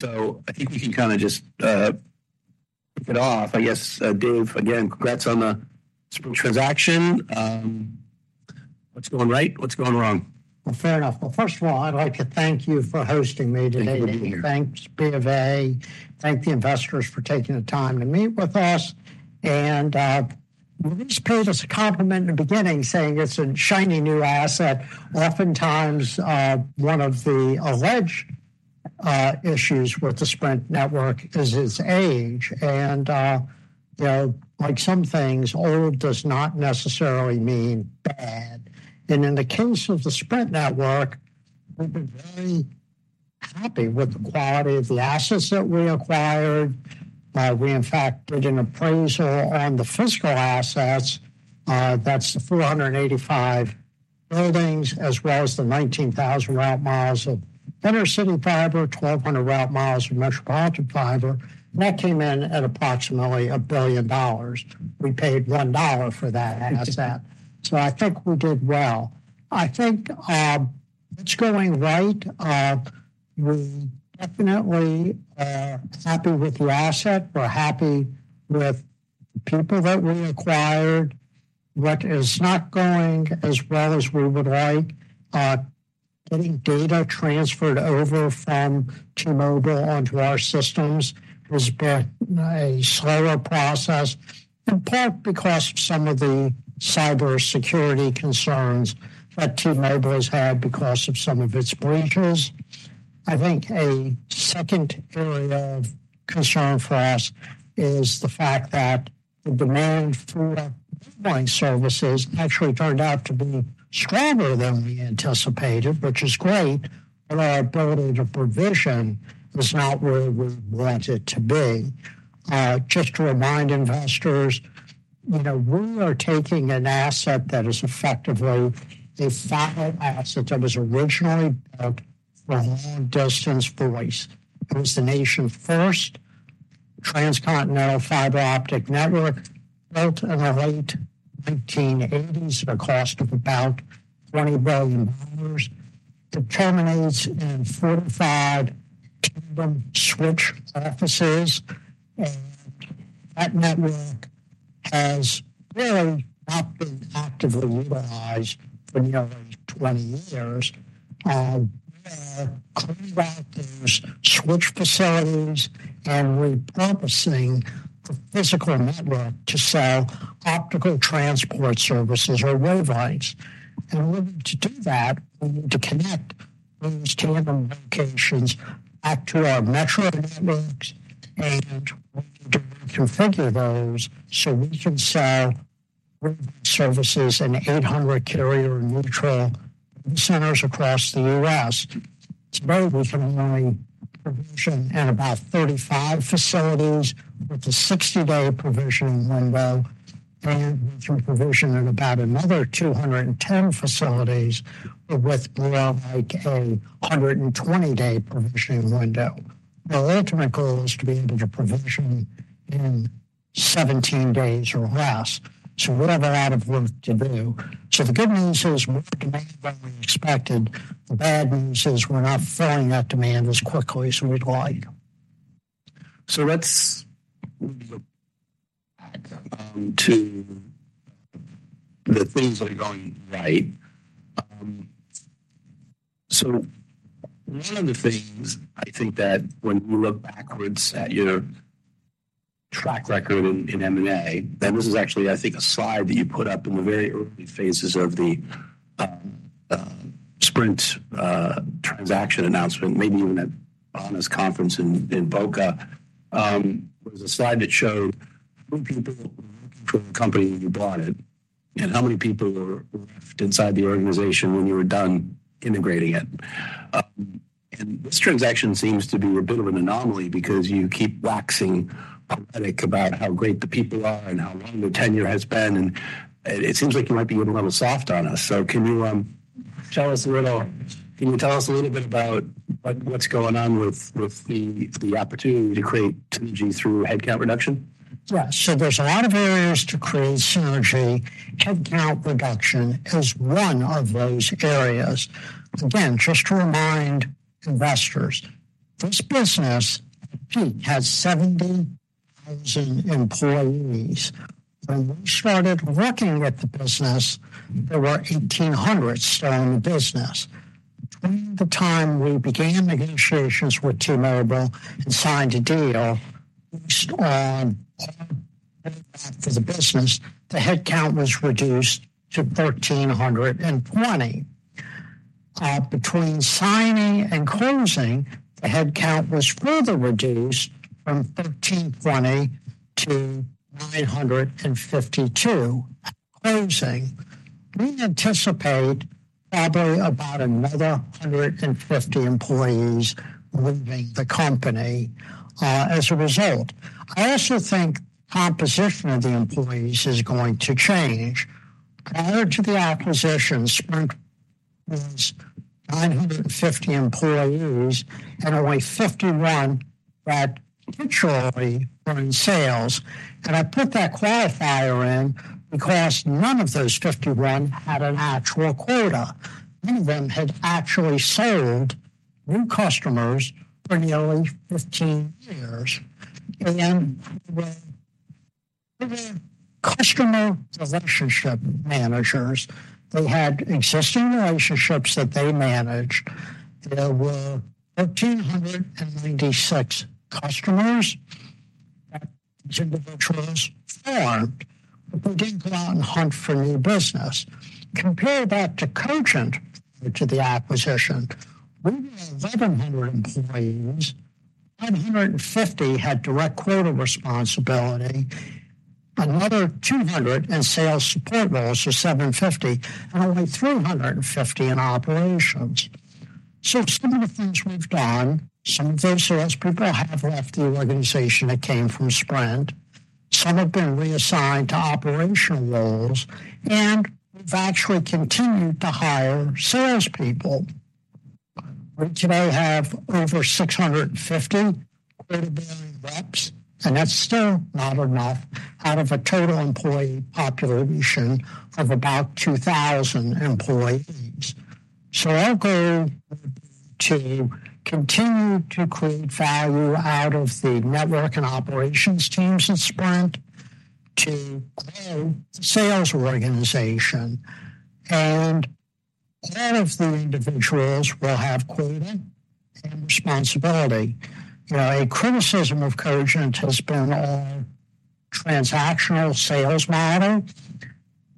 So I think we can kind of just kick it off, I guess. Dave, again, congrats on the Sprint transaction. What's going right? What's going wrong? Well, fair enough. Well, first of all, I'd like to thank you for hosting me today. Thank you for being here. Thanks, BofA. Thank the investors for taking the time to meet with us. Well, you just paid us a compliment in the beginning, saying it's a shiny new asset. Oftentimes, one of the alleged issues with the Sprint network is its age, and you know, like some things, old does not necessarily mean bad. In the case of the Sprint network, we've been very happy with the quality of the assets that we acquired. We in fact did an appraisal on the physical assets, that's the 485 buildings, as well as the 19,000 route miles of intercity fiber, 1,200 route miles of metropolitan fiber, that came in at approximately $1 billion. We paid $1 for that asset, so I think we did well. I think, what's going right, we definitely are happy with the asset. We're happy with the people that we acquired. What is not going as well as we would like, getting data transferred over from T-Mobile onto our systems has been a slower process, in part because of some of the cybersecurity concerns that T-Mobile has had because of some of its breaches. I think a second area of concern for us is the fact that the demand for our services actually turned out to be stronger than we anticipated, which is great, but our ability to provision is not where we want it to be. Just to remind investors, you know, we are taking an asset that is effectively a fiber asset that was originally built for long-distance voice. It was the nation's first transcontinental fiber optic network, built in the late 1980s at a cost of about $20 billion, to terminate at fortified tandem switch offices. That network has really not been actively utilized for nearly 20 years. We are clearing out those switch facilities and repurposing the physical network to sell optical transport services or wavelengths. In order to do that, we need to connect those tandem locations up to our metro networks, and we need to reconfigure those so we can sell services in 800 carrier-neutral centers across the U.S. Sprint was running provisioning at about 35 facilities, with a 60-day provisioning window, and we do provision at about another 210 facilities, with more like a 120-day provisioning window. The ultimate goal is to be able to provision in 17 days or less. So we have a lot of work to do. The good news is, more than we expected. The bad news is, we're not filling that demand as quickly as we'd like. So let's move on to the things that are going right. So one of the things I think that when we look backwards at your track record in M&A, and this is actually, I think, a slide that you put up in the very early phases of the Sprint transaction announcement, maybe even at Ana's conference in Boca. And it was a slide that showed how people from the company when you bought it, and how many people were left inside the organization when you were done integrating it. And this transaction seems to be a bit of an anomaly because you keep waxing poetic about how great the people are and how long their tenure has been, and it seems like you might be a little soft on us. Can you tell us a little bit about what's going on with the opportunity to create synergy through headcount reduction? Yeah. So there's a lot of areas to create synergy. Headcount reduction is one of those areas. Again, just to remind investors, this business, at peak, had 70,000 employees. When we started working with the business, there were 1,800 still in the business. Between the time we began negotiations with T-Mobile and signed a deal, we staffed for the business, the headcount was reduced to 1,320. Between signing and closing, the headcount was further reduced from 1,320 to 952. At closing, we anticipate probably about another 150 employees leaving the company, as a result. I also think composition of the employees is going to change. Prior to the acquisition, Sprint was 950 employees, and only 51 that-... Potentially were in sales, and I put that qualifier in because none of those 51 had an actual quota. None of them had actually sold new customers for nearly 15 years, and they were customer relationship managers. They had existing relationships that they managed. There were 1,496 customers that these individuals farmed, but we didn't go out and hunt for new business. Compare that to Cogent, to the acquisition, we were 1,100 employees, 950 had direct quota responsibility, another 200 in sales support roles, so 750, and only 350 in operations. So some of the things we've done, some of those sales people have left the organization that came from Sprint. Some have been reassigned to operational roles, and we've actually continued to hire sales people. We today have over 650 quota-bearing reps, and that's still not enough out of a total employee population of about 2,000 employees. So our goal is to continue to create value out of the network and operations teams at Sprint, to grow the sales organization, and all of the individuals will have quota and responsibility. You know, a criticism of Cogent has been a transactional sales model.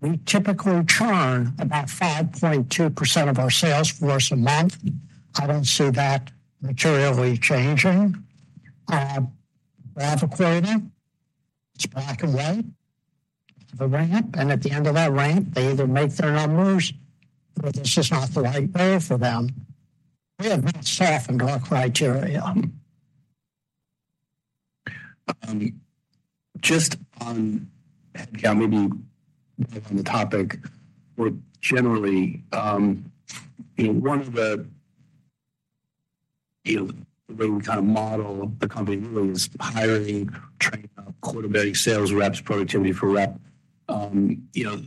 We typically churn about 5.2% of our sales force a month. I don't see that materially changing. We have a quota. It's black and white, the ramp, and at the end of that ramp, they either make their numbers or it's just not the right role for them. We have not softened our criteria. Just on, yeah, maybe on the topic or generally, you know, one of the, you know, the way we kind of model the company is hiring, training up quota-bearing sales reps, productivity for rep. You know,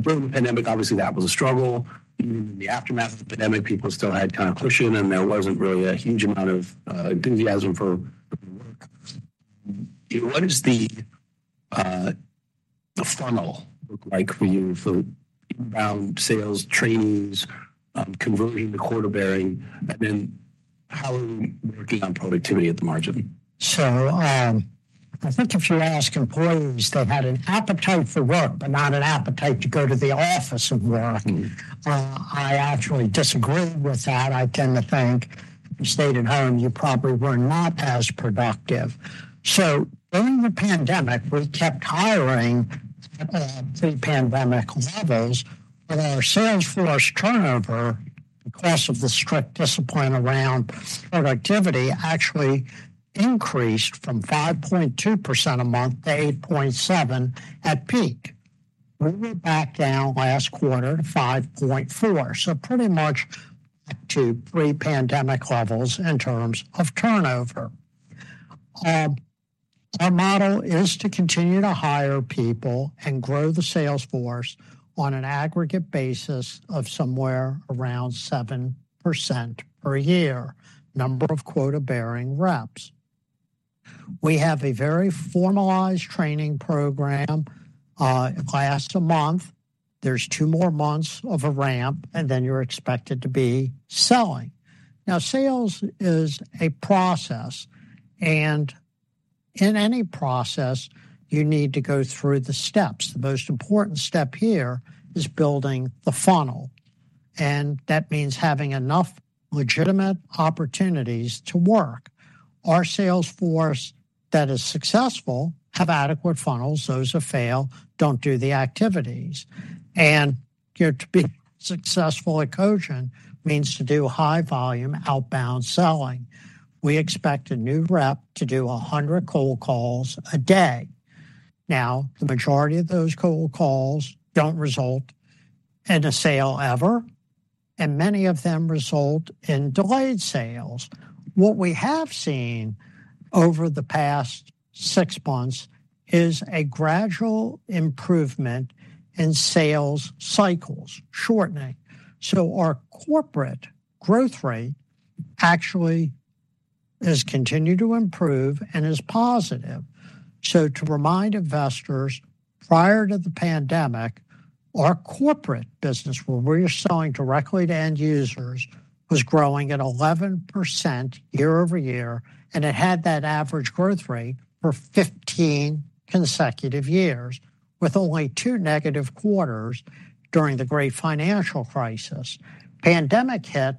during the pandemic, obviously, that was a struggle. In the aftermath of the pandemic, people still had kind of cushion, and there wasn't really a huge amount of enthusiasm for work. What does the funnel look like for you for inbound sales trainings, converting to quota-bearing, and then how are you working on productivity at the margin? I think if you ask employees, they've had an appetite for work, but not an appetite to go to the office and work. I actually disagree with that. I tend to think if you stayed at home, you probably were not as productive. So during the pandemic, we kept hiring at pre-pandemic levels, but our sales force turnover, because of the strict discipline around productivity, actually increased from 5.2% a month to 8.7% at peak. We were back down last quarter to 5.4%, so pretty much back to pre-pandemic levels in terms of turnover. Our model is to continue to hire people and grow the sales force on an aggregate basis of somewhere around 7% per year, number of quota-bearing reps. We have a very formalized training program. It lasts a month. There's two more months of a ramp, and then you're expected to be selling. Now, sales is a process, and in any process, you need to go through the steps. The most important step here is building the funnel, and that means having enough legitimate opportunities to work. Our sales force that is successful have adequate funnels. Those who fail don't do the activities. And you know, to be successful at Cogent means to do high-volume, outbound selling. We expect a new rep to do 100 cold calls a day. Now, the majority of those cold calls don't result in a sale ever, and many of them result in delayed sales. What we have seen over the past six months is a gradual improvement in sales cycles shortening. So our corporate growth rate actually has continued to improve and is positive. So to remind investors, prior to the pandemic, our corporate business, where we're selling directly to end users, was growing at 11% year-over-year, and it had that average growth rate for 15 consecutive years, with only two negative quarters during the great financial crisis. Pandemic hit,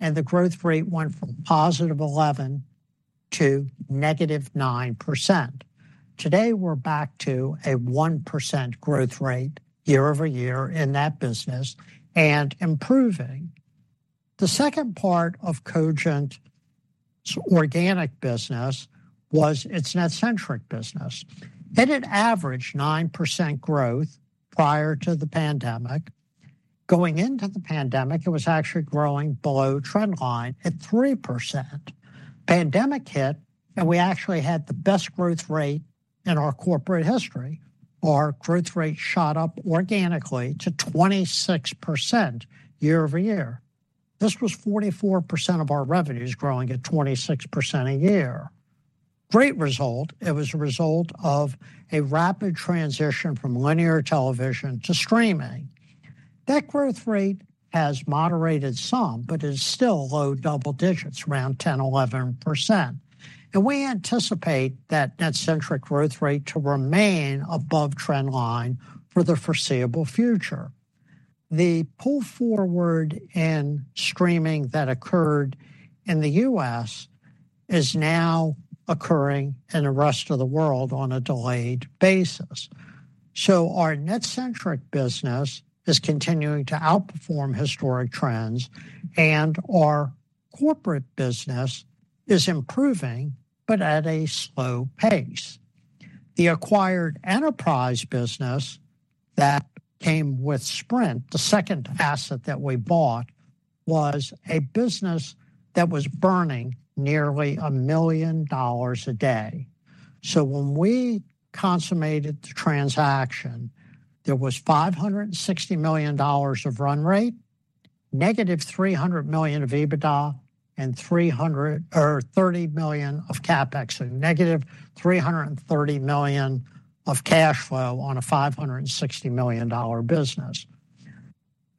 and the growth rate went from positive 11 to -9%. Today, we're back to a 1% growth rate year-over-year in that business and improving. The second part of Cogent's organic business was its NetCentric business. It had averaged 9% growth prior to the pandemic.... going into the pandemic, it was actually growing below trend line at 3%. Pandemic hit, and we actually had the best growth rate in our corporate history. Our growth rate shot up organically to 26% year-over-year. This was 44% of our revenue is growing at 26% a year. Great result. It was a result of a rapid transition from linear television to streaming. That growth rate has moderated some, but is still low double digits, around 10%, 11%. We anticipate that NetCentric growth rate to remain above trend line for the foreseeable future. The pull forward in streaming that occurred in the U.S. is now occurring in the rest of the world on a delayed basis. Our NetCentric business is continuing to outperform historic trends, and our corporate business is improving, but at a slow pace. The acquired enterprise business that came with Sprint, the second asset that we bought, was a business that was burning nearly $1 million a day. So when we consummated the transaction, there was $560 million of run rate, -$300 million of EBITDA, and thirty million of CapEx, and -$330 million of cash flow on a $560 million business.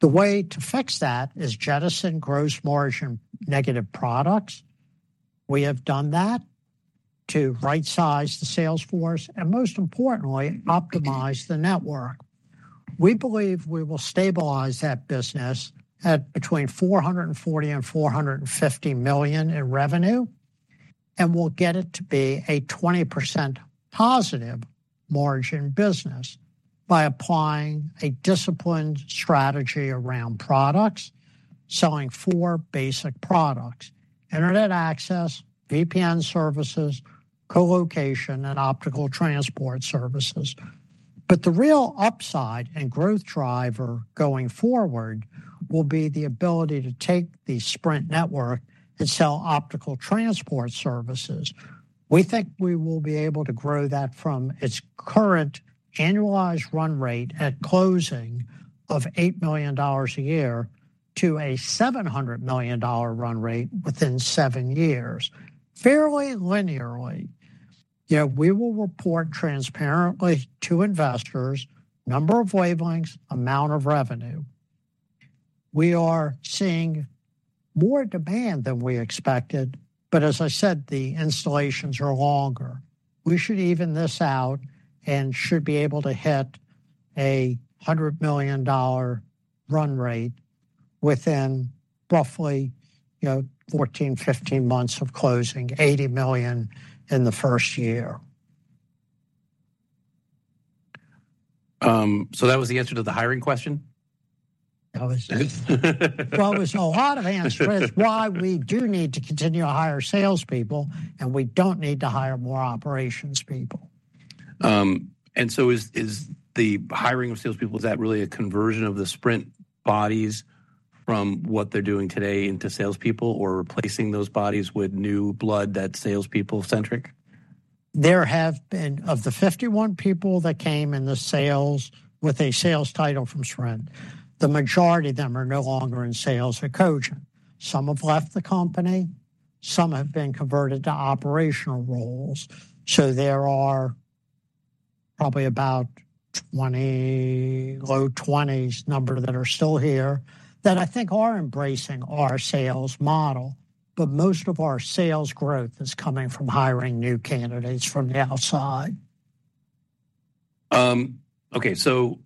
The way to fix that is jettison gross margin negative products. We have done that to rightsize the sales force, and most importantly, optimize the network. We believe we will stabilize that business at between $440 million and $450 million in revenue, and we'll get it to be a 20% positive margin business by applying a disciplined strategy around products, selling four basic products: Internet access, VPN services, colocation, and optical transport services. But the real upside and growth driver going forward will be the ability to take the Sprint network and sell optical transport services. We think we will be able to grow that from its current annualized run rate at closing of $8 million a year to a $700 million run rate within 7 years, fairly linearly. Yeah, we will report transparently to investors, number of wavelengths, amount of revenue. We are seeing more demand than we expected, but as I said, the installations are longer. We should even this out and should be able to hit a $100 million run rate within roughly, you know, 14, 15 months of closing, $80 million in the first year. That was the answer to the hiring question? Well, it was a lot of answers. Why we do need to continue to hire salespeople, and we don't need to hire more operations people. And so, is the hiring of salespeople really a conversion of the Sprint bodies from what they're doing today into salespeople, or replacing those bodies with new blood that's salespeople-centric? There have been... Of the 51 people that came in the sales with a sales title from Sprint, the majority of them are no longer in sales at Cogent. Some have left the company, some have been converted to operational roles. So there are probably about 20, low 20s number that are still here that I think are embracing our sales model, but most of our sales growth is coming from hiring new candidates from the outside. Okay, so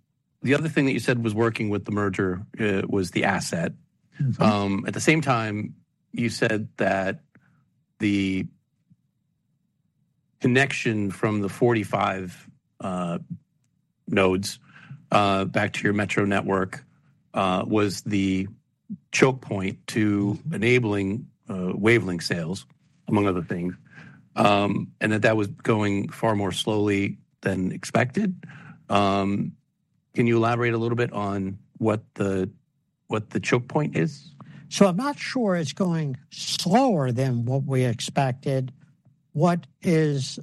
the other thing that you said was working with the merger was the asset at the same time, you said that the connection from the 45 nodes back to your metro network was the choke point to enabling wavelength sales, among other things, and that that was going far more slowly than expected. Can you elaborate a little bit on what the choke point is? So I'm not sure it's going slower than what we expected. What is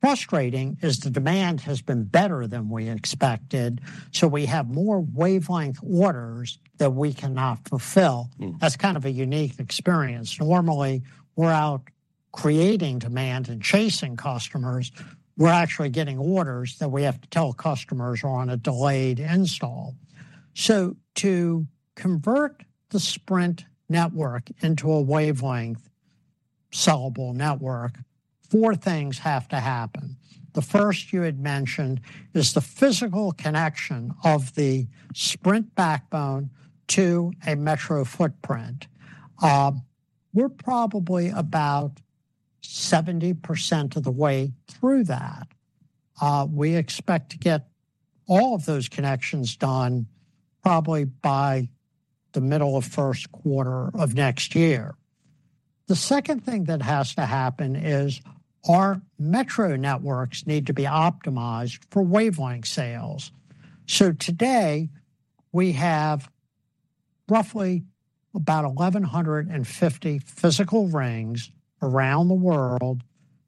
frustrating is the demand has been better than we expected, so we have more wavelength orders that we cannot fulfill. That's kind of a unique experience. Normally, we're out creating demand and chasing customers. We're actually getting orders that we have to tell customers are on a delayed install. So to convert the Sprint network into a wavelength sellable network, four things have to happen. The first you had mentioned is the physical connection of the Sprint backbone to a metro footprint. We're probably about 70% of the way through that. We expect to get all of those connections done probably by the middle of first quarter of next year. The second thing that has to happen is our metro networks need to be optimized for wavelength sales. So today, we have roughly about 1,150 physical rings around the world,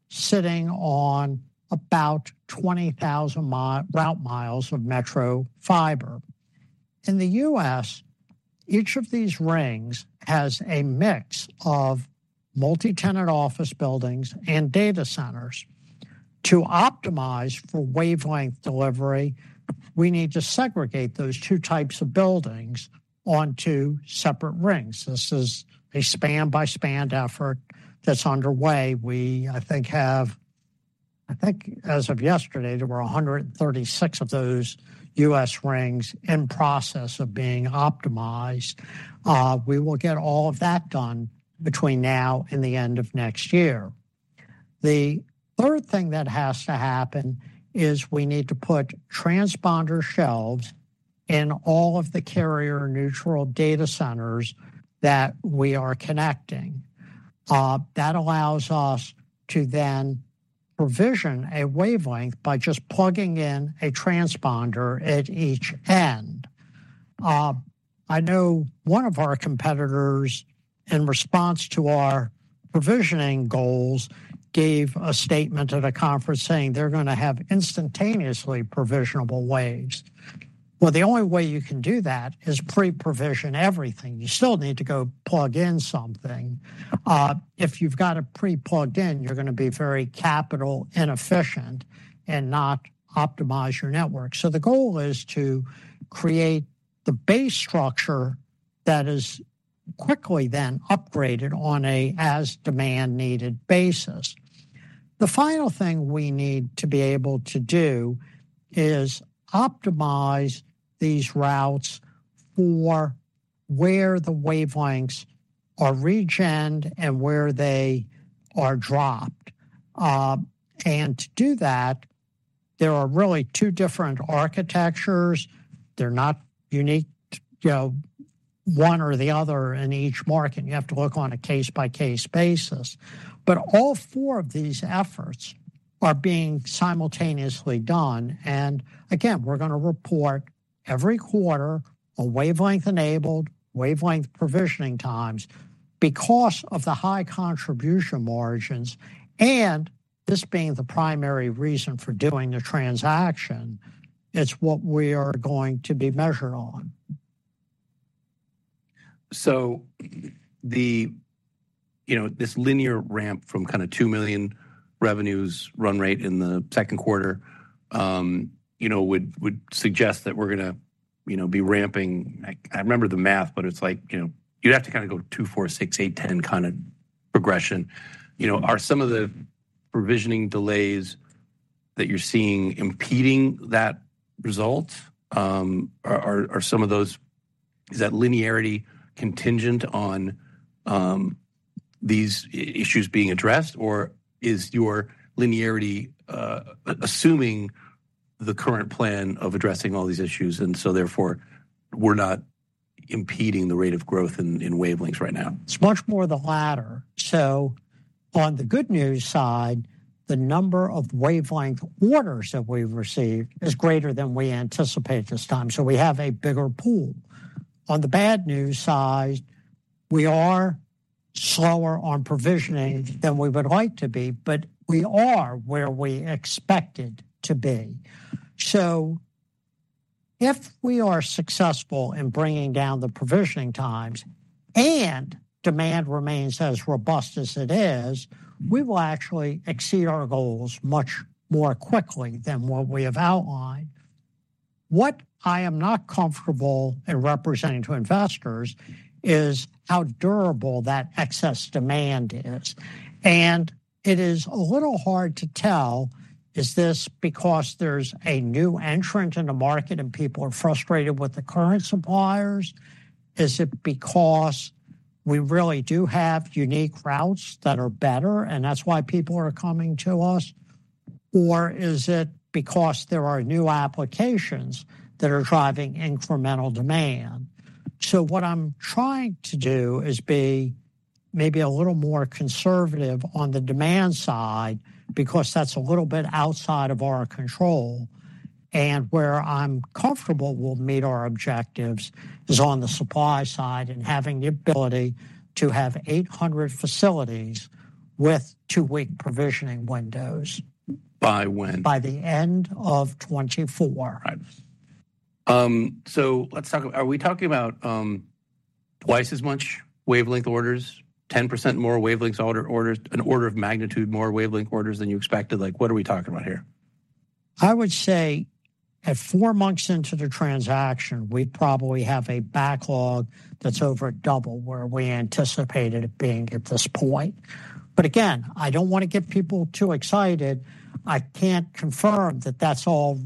sitting on about 20,000-mile route miles of metro fiber. In the U.S., each of these rings has a mix of multi-tenant office buildings and data centers. To optimize for wavelength delivery, we need to segregate those two types of buildings onto separate rings. This is a span by span effort that's underway. We, I think, have, I think as of yesterday, there were 136 of those U.S. rings in process of being optimized. We will get all of that done between now and the end of next year. The third thing that has to happen is we need to put transponder shelves in all of the carrier-neutral data centers that we are connecting. That allows us to then provision a wavelength by just plugging in a transponder at each end. I know one of our competitors, in response to our provisioning goals, gave a statement at a conference saying they're going to have instantaneously provisionable waves. Well, the only way you can do that is pre-provision everything. You still need to go plug in something. If you've got it pre-plugged in, you're going to be very capital inefficient and not optimize your network. So the goal is to create the base structure that is quickly then upgraded on a as-demand needed basis. The final thing we need to be able to do is optimize these routes for where the wavelengths are regened and where they are dropped. And to do that, there are really two different architectures. They're not unique, you know, one or the other in each market, and you have to work on a case-by-case basis. But all four of these efforts are being simultaneously done, and again, we're going to report every quarter a wavelength-enabled, wavelength provisioning times. Because of the high contribution margins, and this being the primary reason for doing the transaction, it's what we are going to be measured on. You know, this linear ramp from kind of $2 million revenues run rate in the second quarter, you know, would suggest that we're going to, you know, be ramping. I remember the math, but it's like, you know, you'd have to kind of go 2, 4, 6, 8, 10 kind of progression. You know, are some of the provisioning delays that you're seeing impeding that result? Are some of those- is that linearity contingent on these issues being addressed? Or is your linearity assuming the current plan of addressing all these issues, and so therefore, we're not impeding the rate of growth in wavelengths right now? It's much more the latter. So on the good news side, the number of wavelength orders that we've received is greater than we anticipated this time, so we have a bigger pool. On the bad news side, we are slower on provisioning than we would like to be, but we are where we expected to be. So if we are successful in bringing down the provisioning times and demand remains as robust as it is, we will actually exceed our goals much more quickly than what we have outlined. What I am not comfortable in representing to investors is how durable that excess demand is, and it is a little hard to tell, is this because there's a new entrant in the market and people are frustrated with the current suppliers? Is it because we really do have unique routes that are better, and that's why people are coming to us? Or is it because there are new applications that are driving incremental demand? So what I'm trying to do is be maybe a little more conservative on the demand side, because that's a little bit outside of our control. And where I'm comfortable we'll meet our objectives is on the supply side and having the ability to have 800 facilities with two-week provisioning windows. By when? By the end of 2024. Right. So let's talk... Are we talking about twice as much wavelength orders, 10% more wavelengths orders, an order of magnitude more wavelength orders than you expected? Like, what are we talking about here? I would say at four months into the transaction, we probably have a backlog that's over double where we anticipated it being at this point. But again, I don't want to get people too excited. I can't confirm that that's all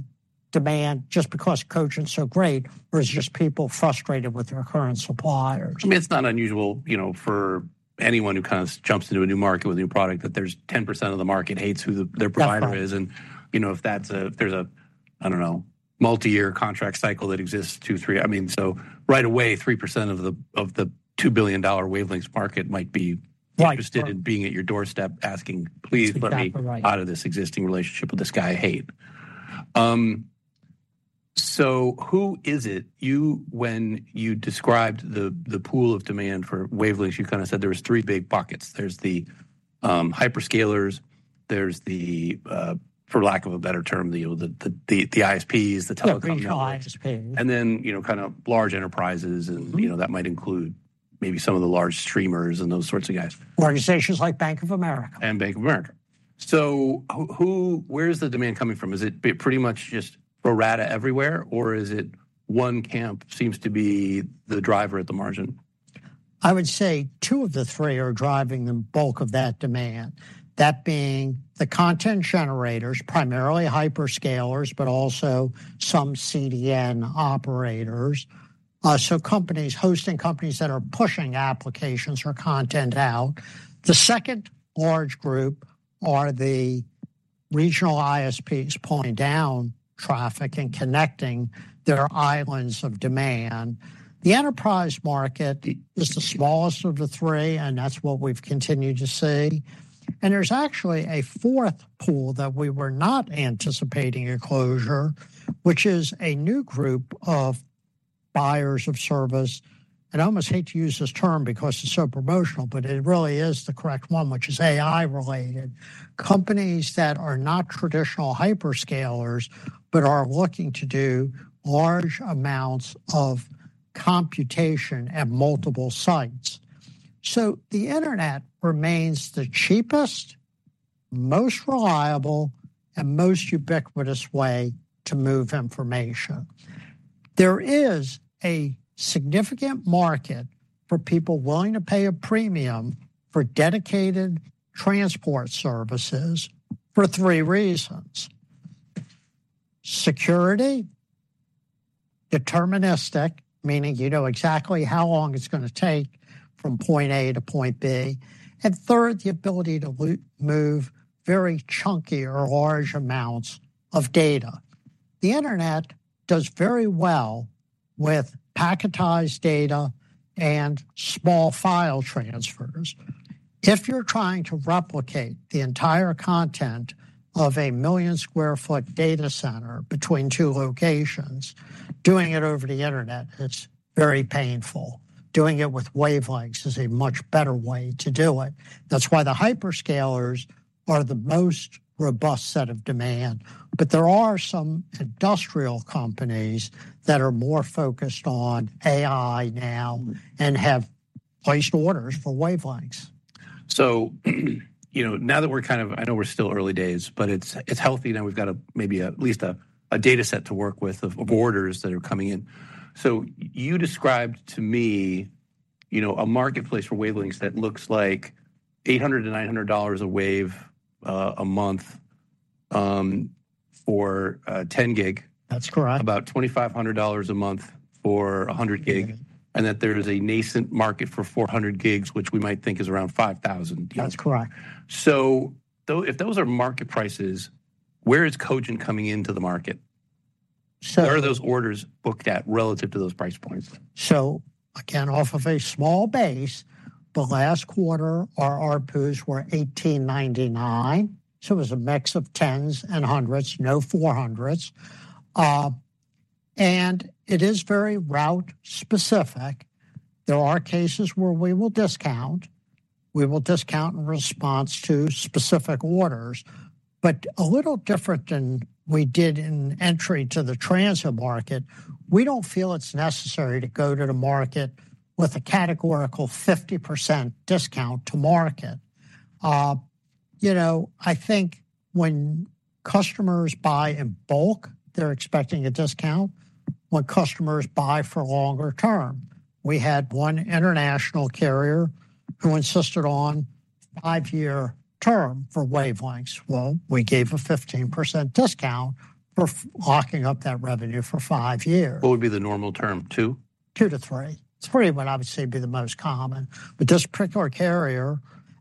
demand just because Cogent's so great, or it's just people frustrated with their current suppliers. I mean, it's not unusual, you know, for anyone who kind of jumps into a new market with a new product, that there's 10% of the market hates who their provider is. And, you know, if that's, there's a... I don't know, multi-year contract cycle that exists, two, three. I mean, so right away, 3% of the, of the $2 billion wavelengths market might be interested in being at your doorstep, asking. That's exactly right. Let me out of this existing relationship with this guy I hate." So who is it? You-- when you described the pool of demand for wavelengths, you kind of said there was three big buckets. There's the hyperscalers, there's the, for lack of a better term, the ISPs, the telecom- The regional ISPs. And then, you know, kind of large enterprises you know, that might include maybe some of the large streamers and those sorts of guys. Organizations like Bank of America. Bank of America. So who—where is the demand coming from? Is it pretty much just Ethernet everywhere, or is it one camp seems to be the driver at the margin? I would say two of the three are driving the bulk of that demand. That being the content generators, primarily hyperscalers, but also some CDN operators. So companies, hosting companies that are pushing applications or content out. The second large group are the regional ISPs pulling down traffic and connecting their islands of demand. The enterprise market is the smallest of the three, and that's what we've continued to see. And there's actually a fourth pool that we were not anticipating in closure, which is a new group of buyers of service. And I almost hate to use this term because it's so promotional, but it really is the correct one, which is AI-related. Companies that are not traditional hyperscalers, but are looking to do large amounts of computation at multiple sites. So the Internet remains the cheapest, most reliable, and most ubiquitous way to move information. There is a significant market for people willing to pay a premium for dedicated transport services for three reasons: security, deterministic, meaning you know exactly how long it's gonna take from point A to point B, and third, the ability to move very chunky or large amounts of data. The Internet does very well with packetized data and small file transfers. If you're trying to replicate the entire content of a 1-million-square-foot data center between two locations, doing it over the Internet, it's very painful. Doing it with wavelengths is a much better way to do it. That's why the hyperscalers are the most robust set of demand, but there are some industrial companies that are more focused on AI now and have placed orders for wavelengths. So, you know, now that we're kind of... I know we're still early days, but it's healthy. Now we've got maybe at least a data set to work with of orders that are coming in. So you described to me, you know, a marketplace for wavelengths that looks like $800-$900 a wave a month for a 10 gig. That's correct. About $2,500 a month for a 100 gig, and that there is a nascent market for 400 gigs, which we might think is around $5,000. That's correct. So though, if those are market prices, where is Cogent coming into the market? Where are those orders booked at relative to those price points? Again, off of a small base, but last quarter, our ARPUs were $18.99, so it was a mix of 10s and 100s, no 400s. And it is very route specific. There are cases where we will discount. We will discount in response to specific orders, but a little different than we did in entry to the transit market. We don't feel it's necessary to go to the market with a categorical 50% discount to market. You know, I think when customers buy in bulk, they're expecting a discount. When customers buy for longer term. We had one international carrier who insisted on a 5-year term for wavelengths. Well, we gave a 15% discount for locking up that revenue for 5 years. What would be the normal term, two? 2 to 3. 3 would obviously be the most common, but this particular carrier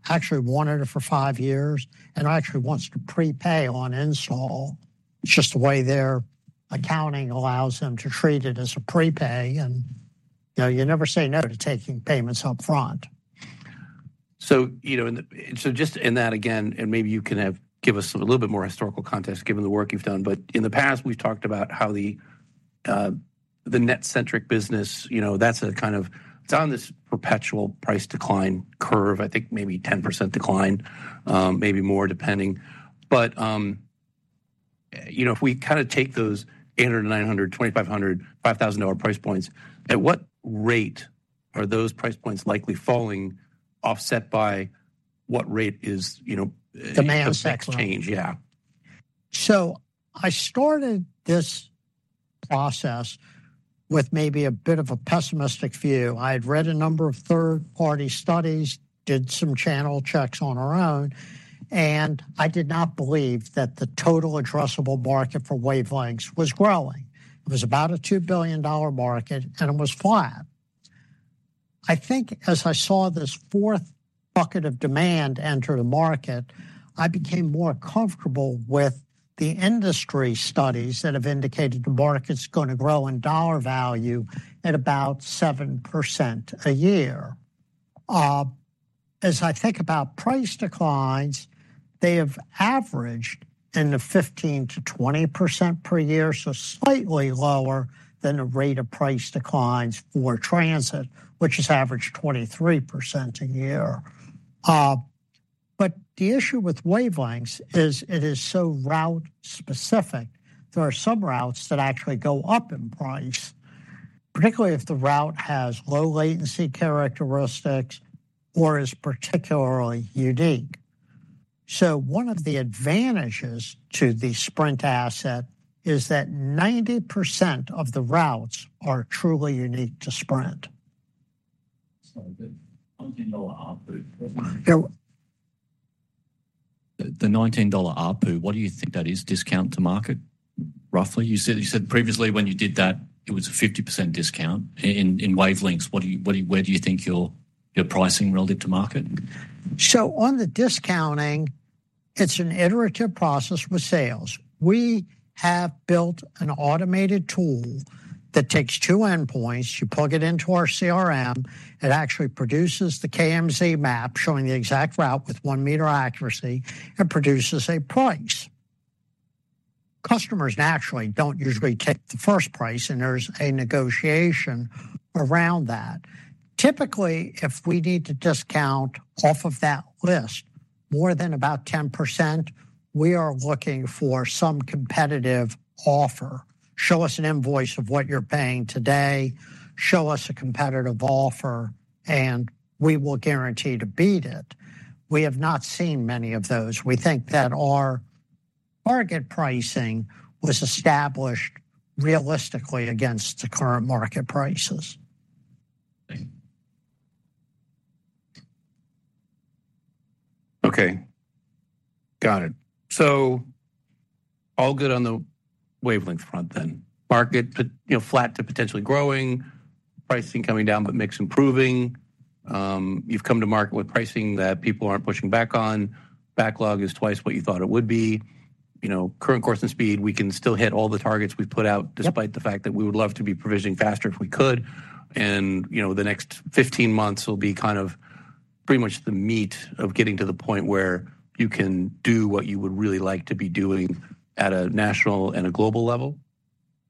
actually wanted it for 5 years and actually wants to prepay on install. It's just the way their accounting allows them to treat it as a prepay, and, you know, you never say no to taking payments upfront. So, you know, and so just in that, again, and maybe you can give us a little bit more historical context, given the work you've done, but in the past, we've talked about how the NetCentric business, you know, that's a kind of... It's on this perpetual price decline curve. I think maybe 10% decline, maybe more, depending. But, you know, if we kind of take those $800-$900, $2,500, $5,000 price points, at what rate are those price points likely falling, offset by what rate is, you know- Demand- Change? Yeah. So I started this process with maybe a bit of a pessimistic view. I had read a number of third-party studies, did some channel checks on our own, and I did not believe that the total addressable market for wavelengths was growing. It was about a $2 billion market, and it was flat.... I think as I saw this fourth bucket of demand enter the market, I became more comfortable with the industry studies that have indicated the market's going to grow in dollar value at about 7% a year. As I think about price declines, they have averaged in the 15%-20% per year, so slightly lower than the rate of price declines for transit, which has averaged 23% a year. But the issue with wavelengths is it is so route specific. There are some routes that actually go up in price, particularly if the route has low latency characteristics or is particularly unique. So one of the advantages to the Sprint asset is that 90% of the routes are truly unique to Sprint. $19 ARPU. Go. The $19 ARPU, what do you think that is discount to market, roughly? You said, you said previously when you did that, it was a 50% discount in, in wavelengths. What do you, what do you, where do you think your, your pricing relative to market? So on the discounting, it's an iterative process with sales. We have built an automated tool that takes two endpoints. You plug it into our CRM, it actually produces the KMZ map, showing the exact route with 1-meter accuracy, and produces a price. Customers naturally don't usually take the first price, and there's a negotiation around that. Typically, if we need to discount off of that list more than about 10%, we are looking for some competitive offer. Show us an invoice of what you're paying today, show us a competitive offer, and we will guarantee to beat it. We have not seen many of those. We think that our market pricing was established realistically against the current market prices. Thank you. Okay, got it. So all good on the wavelength front then. Market potential, you know, flat to potentially growing, pricing coming down, but mix improving. You've come to market with pricing that people aren't pushing back on. Backlog is twice what you thought it would be. You know, current course and speed, we can still hit all the targets we've put out despite the fact that we would love to be provisioning faster if we could. And, you know, the next 15 months will be kind of pretty much the meat of getting to the point where you can do what you would really like to be doing at a national and a global level.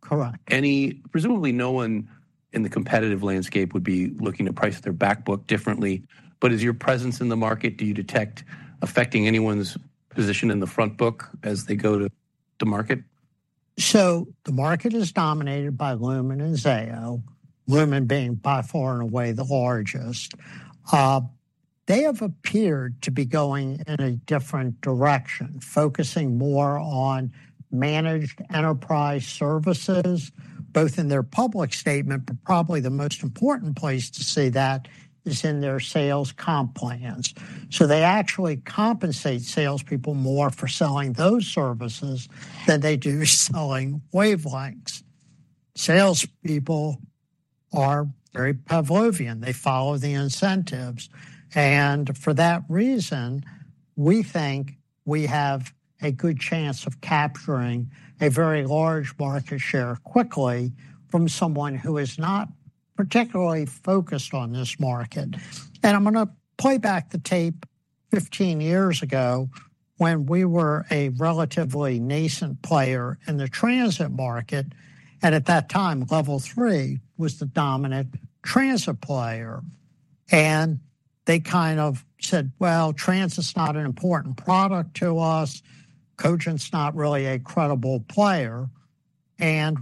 Correct. Anyway, presumably, no one in the competitive landscape would be looking to price their back book differently. But is your presence in the market, do you detect affecting anyone's position in the front book as they go to the market? So the market is dominated by Lumen and Zayo, Lumen being by far and away the largest. They have appeared to be going in a different direction, focusing more on managed enterprise services, both in their public statement, but probably the most important place to see that is in their sales comp plans. So they actually compensate salespeople more for selling those services than they do selling wavelengths. Salespeople are very Pavlovian. They follow the incentives, and for that reason, we think we have a good chance of capturing a very large market share quickly from someone who is not particularly focused on this market. And I'm going to play back the tape 15 years ago, when we were a relatively nascent player in the transit market, and at that time, Level 3 was the dominant transit player. They kind of said: "Well, transit's not an important product to us. Cogent's not really a credible player."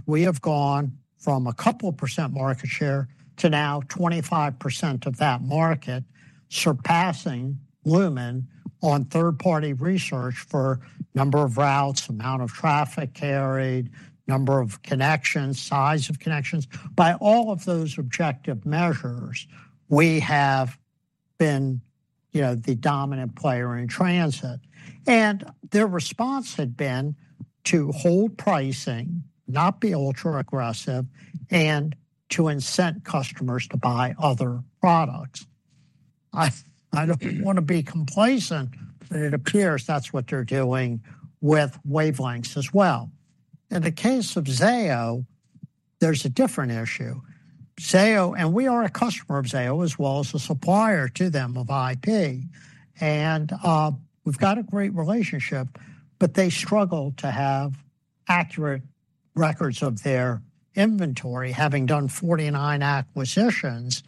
We have gone from a couple percent market share to now 25% of that market, surpassing Lumen on third-party research for number of routes, amount of traffic carried, number of connections, size of connections. By all of those objective measures, we have been, you know, the dominant player in transit. Their response had been to hold pricing, not be ultra-aggressive, and to incent customers to buy other products. I, I don't want to be complacent, but it appears that's what they're doing with wavelengths as well. In the case of Zayo, there's a different issue. Zayo... We are a customer of Zayo, as well as a supplier to them of IP, and we've got a great relationship, but they struggle to have accurate records of their inventory, having done 49 acquisitions,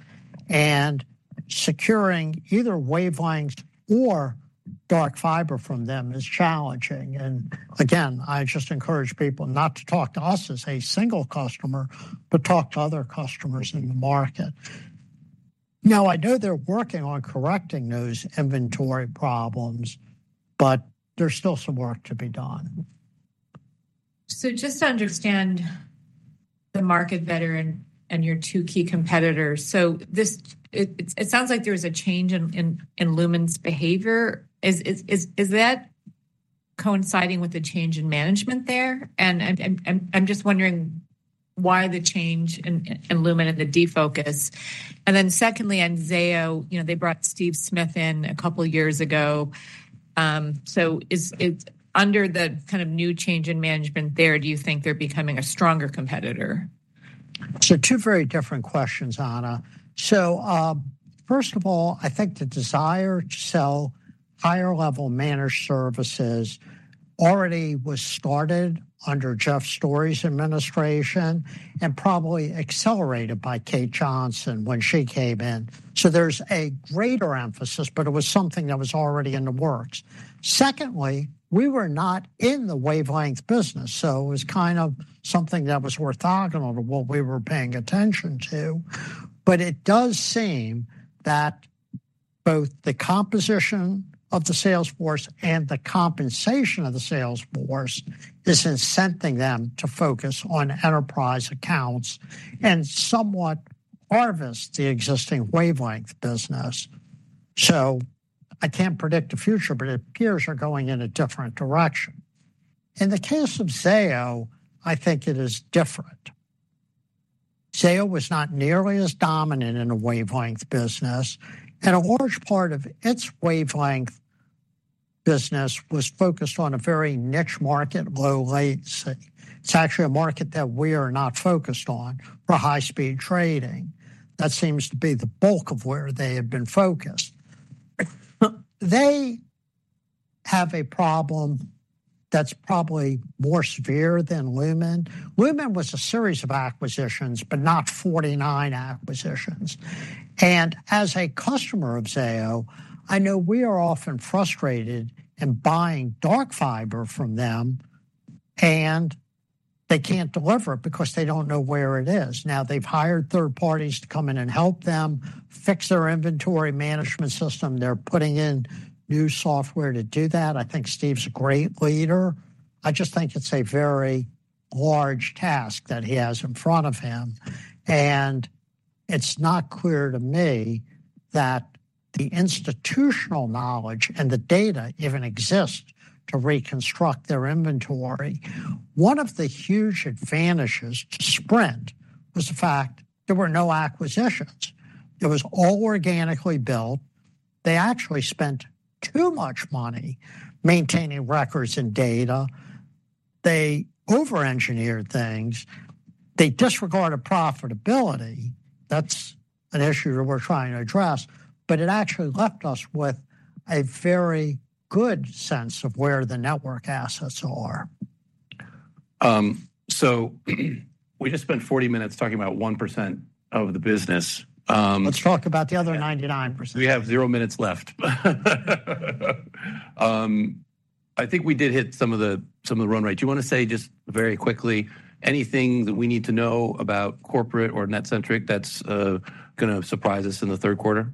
and securing either wavelengths or dark fiber from them is challenging. And again, I just encourage people not to talk to us as a single customer, but talk to other customers in the market. Now, I know they're working on correcting those inventory problems, but there's still some work to be done. So just to understand the market better and your two key competitors. So this, it sounds like there was a change in Lumen's behavior. Is that coinciding with the change in management there? And I'm just wondering why the change in Lumen and the defocus? And then secondly, on Zayo, you know, they brought Steve Smith in a couple of years ago. So is it under the kind of new change in management there, do you think they're becoming a stronger competitor? So two very different questions, Ana. So, first of all, I think the desire to sell higher-level managed services already was started under Jeff Storey's administration and probably accelerated by Kate Johnson when she came in. So there's a greater emphasis, but it was something that was already in the works. Secondly, we were not in the wavelength business, so it was kind of something that was orthogonal to what we were paying attention to. But it does seem that both the composition of the sales force and the compensation of the sales force is incenting them to focus on enterprise accounts and somewhat harvest the existing wavelength business. So I can't predict the future, but it appears they're going in a different direction. In the case of Zayo, I think it is different. Zayo was not nearly as dominant in the wavelength business, and a large part of its wavelength business was focused on a very niche market, low latency. It's actually a market that we are not focused on for high-speed trading. That seems to be the bulk of where they have been focused. They have a problem that's probably more severe than Lumen. Lumen was a series of acquisitions, but not 49 acquisitions. And as a customer of Zayo, I know we are often frustrated in buying dark fiber from them, and they can't deliver it because they don't know where it is. Now, they've hired third parties to come in and help them fix their inventory management system. They're putting in new software to do that. I think Steve's a great leader. I just think it's a very large task that he has in front of him, and it's not clear to me that the institutional knowledge and the data even exist to reconstruct their inventory. One of the huge advantages to Sprint was the fact there were no acquisitions. It was all organically built. They actually spent too much money maintaining records and data. They over-engineered things. They disregarded profitability. That's an issue we're trying to address, but it actually left us with a very good sense of where the network assets are. So we just spent 40 minutes talking about 1% of the business. Let's talk about the other 99%. We have zero minutes left. I think we did hit some of the, some of the run rates. You want to say, just very quickly, anything that we need to know about corporate or NetCentric that's gonna surprise us in the third quarter?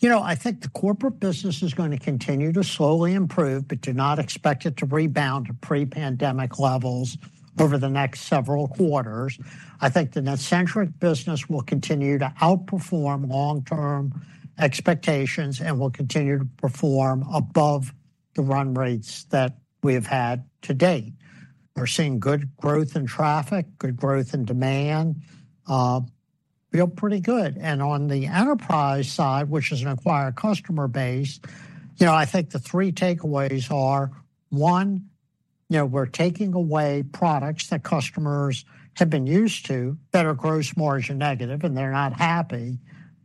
You know, I think the corporate business is going to continue to slowly improve, but do not expect it to rebound to pre-pandemic levels over the next several quarters. I think the NetCentric business will continue to outperform long-term expectations and will continue to perform above the run rates that we have had to date. We're seeing good growth in traffic, good growth in demand. Feel pretty good. And on the enterprise side, which is an acquired customer base, you know, I think the three takeaways are, one, you know, we're taking away products that customers have been used to, that are gross margin negative, and they're not happy,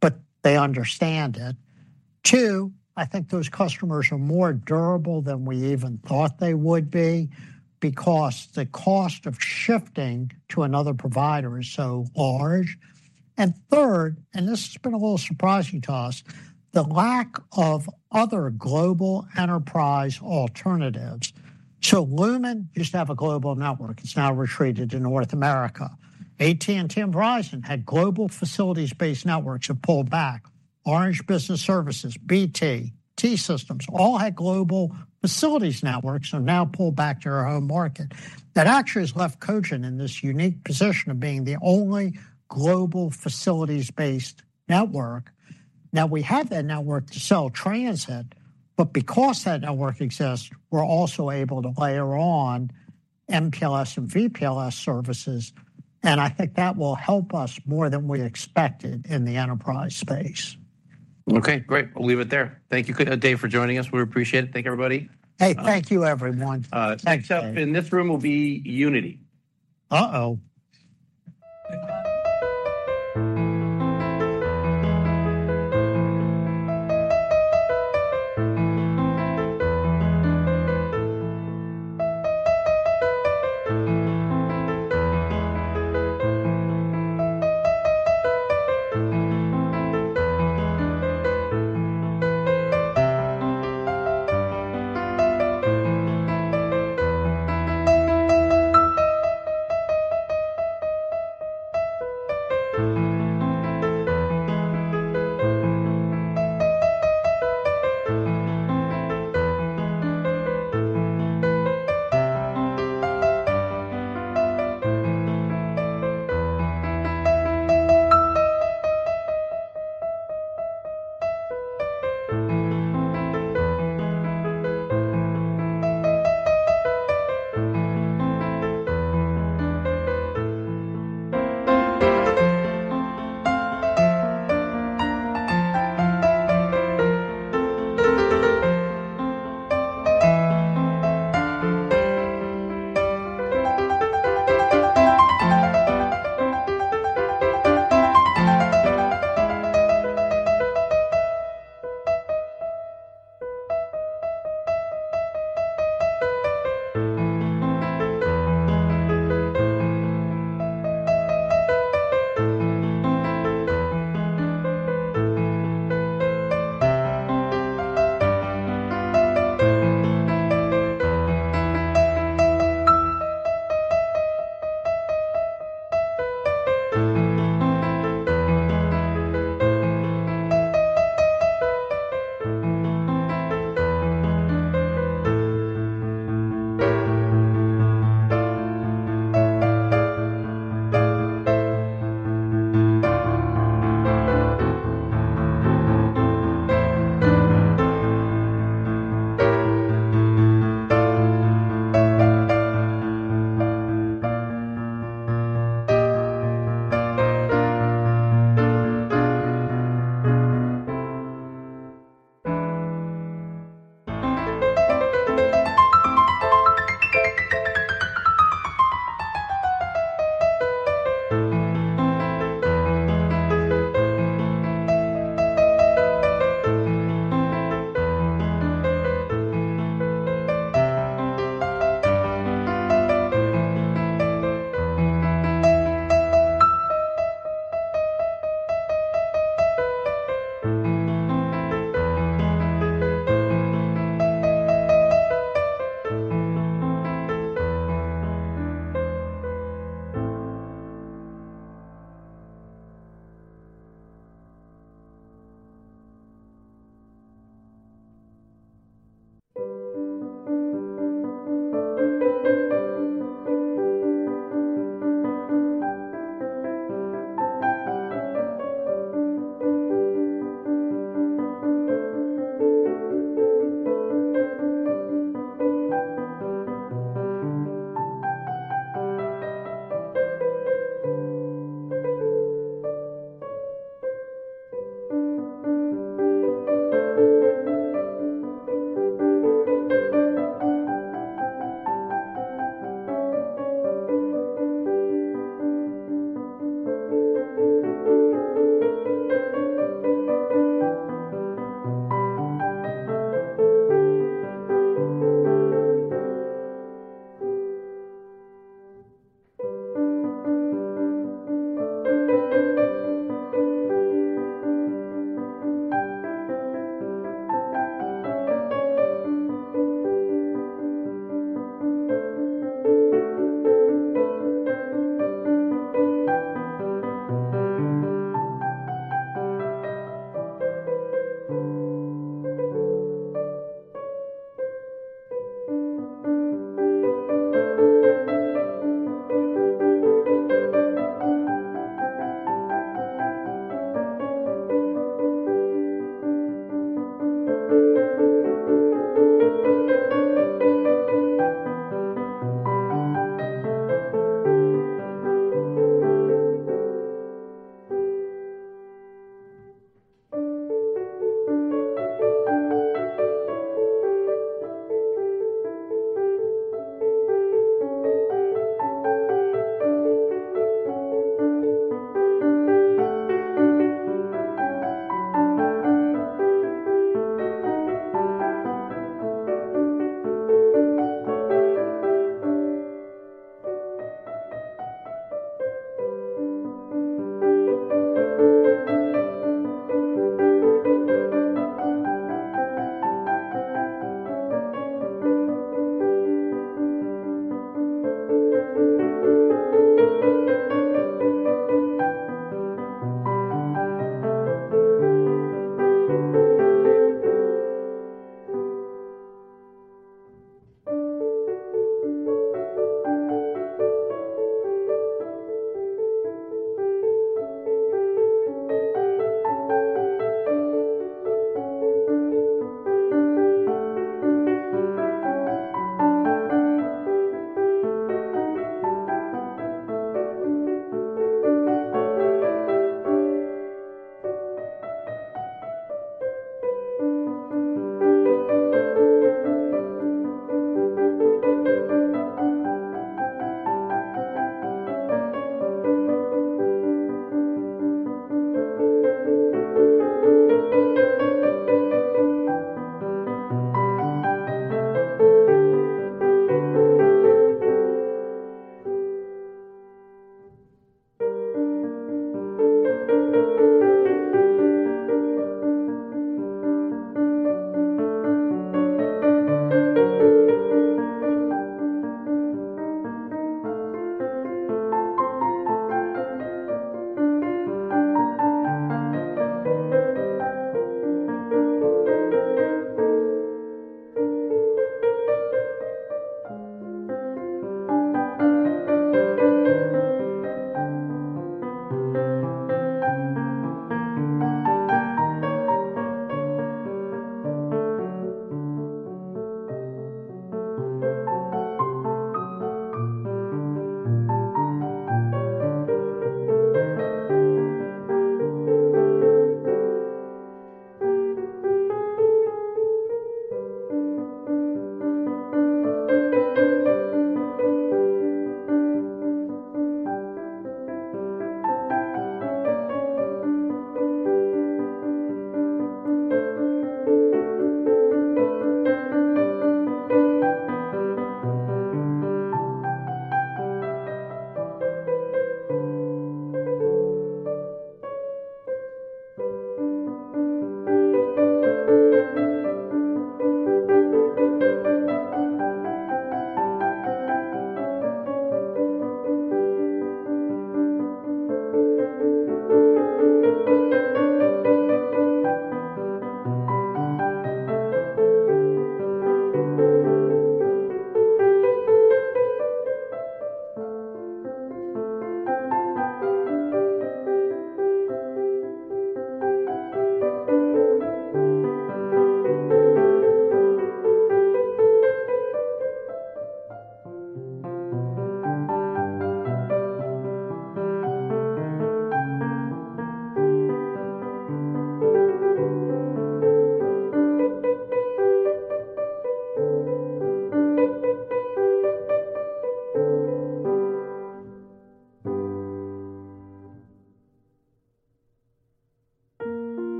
but they understand it. Two, I think those customers are more durable than we even thought they would be because the cost of shifting to another provider is so large. And third, and this has been a little surprising to us, the lack of other global enterprise alternatives. So Lumen used to have a global network. It's now retreated to North America. AT&T and Verizon had global facilities-based networks have pulled back. Orange Business Services, BT, T-Systems, all had global facilities networks and now pulled back to their home market. That actually has left Cogent in this unique position of being the only global facilities-based network. Now, we have that network to sell transit, but because that network exists, we're also able to layer on MPLS and VPLS services, and I think that will help us more than we expected in the enterprise space. Okay, great. We'll leave it there. Thank you, Dave, for joining us. We appreciate it. Thank you, everybody. Hey, thank you, everyone. Next up in this room will be Uniti. Uh-oh! and, our run time of the session,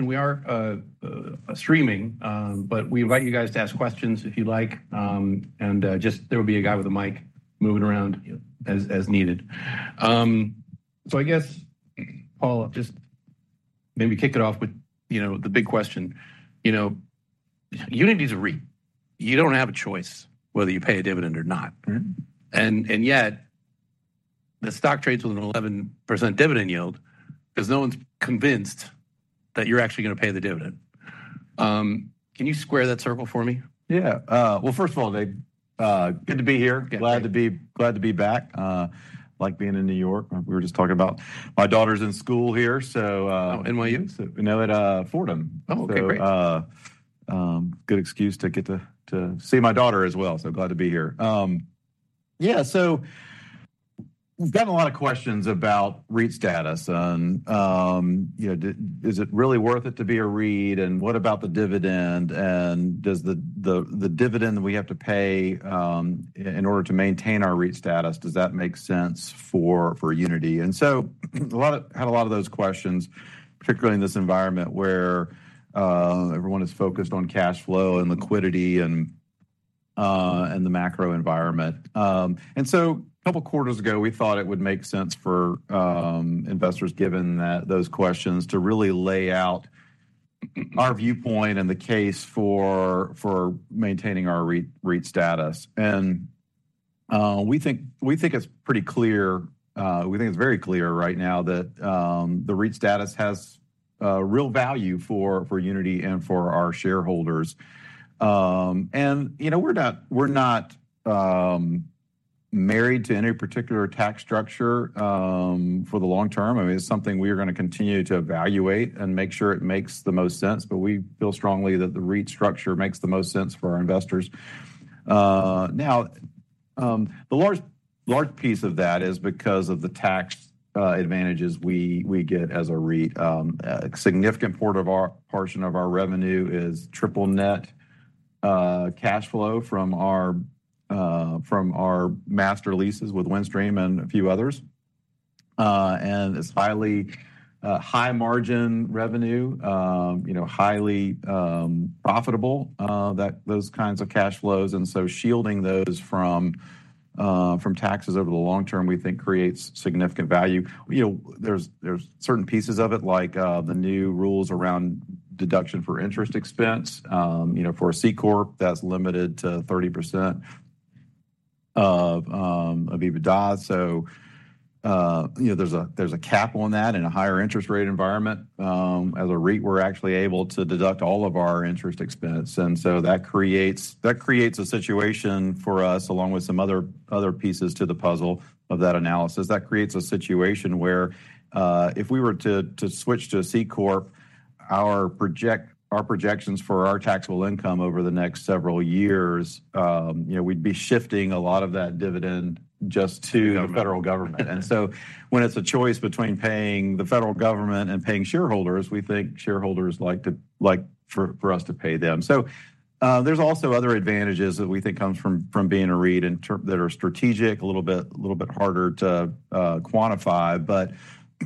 we are streaming, but we invite you guys to ask questions if you'd like, and just there will be a guy with a mic moving around as needed. So I guess, Paul, just maybe kick it off with, you know, the big question. You know, Uniti is a REIT. You don't have a choice whether you pay a dividend or not. And yet, the stock trades with an 11% dividend yield, because no one's convinced that you're actually gonna pay the dividend. Can you square that circle for me? Yeah. Well, first of all, Dave, good to be here. Good. Glad to be, glad to be back. Like being in New York. We were just talking about my daughter's in school here, so, Oh, NYU? No, at Fordham. Oh, okay. Great. So, good excuse to get to see my daughter as well. So glad to be here. Yeah, so we've gotten a lot of questions about REIT status, and you know, is it really worth it to be a REIT, and what about the dividend, and does the dividend we have to pay in order to maintain our REIT status make sense for Uniti? And so we had a lot of those questions, particularly in this environment where everyone is focused on cash flow and liquidity, and the macro environment. And so a couple of quarters ago, we thought it would make sense for investors, given those questions, to really lay out our viewpoint and the case for maintaining our REIT status. We think it's pretty clear. We think it's very clear right now that the REIT status has real value for Uniti and for our shareholders. You know, we're not married to any particular tax structure for the long term. I mean, it's something we are gonna continue to evaluate and make sure it makes the most sense, but we feel strongly that the REIT structure makes the most sense for our investors. Now, the large piece of that is because of the tax advantages we get as a REIT. A significant portion of our revenue is triple-net cash flow from our master leases with Windstream and a few others. It's highly high margin revenue, you know, highly profitable, those kinds of cash flows, and so shielding those from taxes over the long term, we think creates significant value. You know, there's certain pieces of it, like the new rules around deduction for interest expense. You know, for a C Corp, that's limited to 30% of EBITDA. So, you know, there's a cap on that in a higher interest rate environment. As a REIT, we're actually able to deduct all of our interest expense, and so that creates a situation for us, along with some other pieces to the puzzle of that analysis. That creates a situation where if we were to switch to a C Corp, our projections for our taxable income over the next several years, you know, we'd be shifting a lot of that dividend just to the federal government. And so when it's a choice between paying the federal government and paying shareholders, we think shareholders like to like for us to pay them. So there's also other advantages that we think comes from being a REIT in terms that are strategic, a little bit harder to quantify. But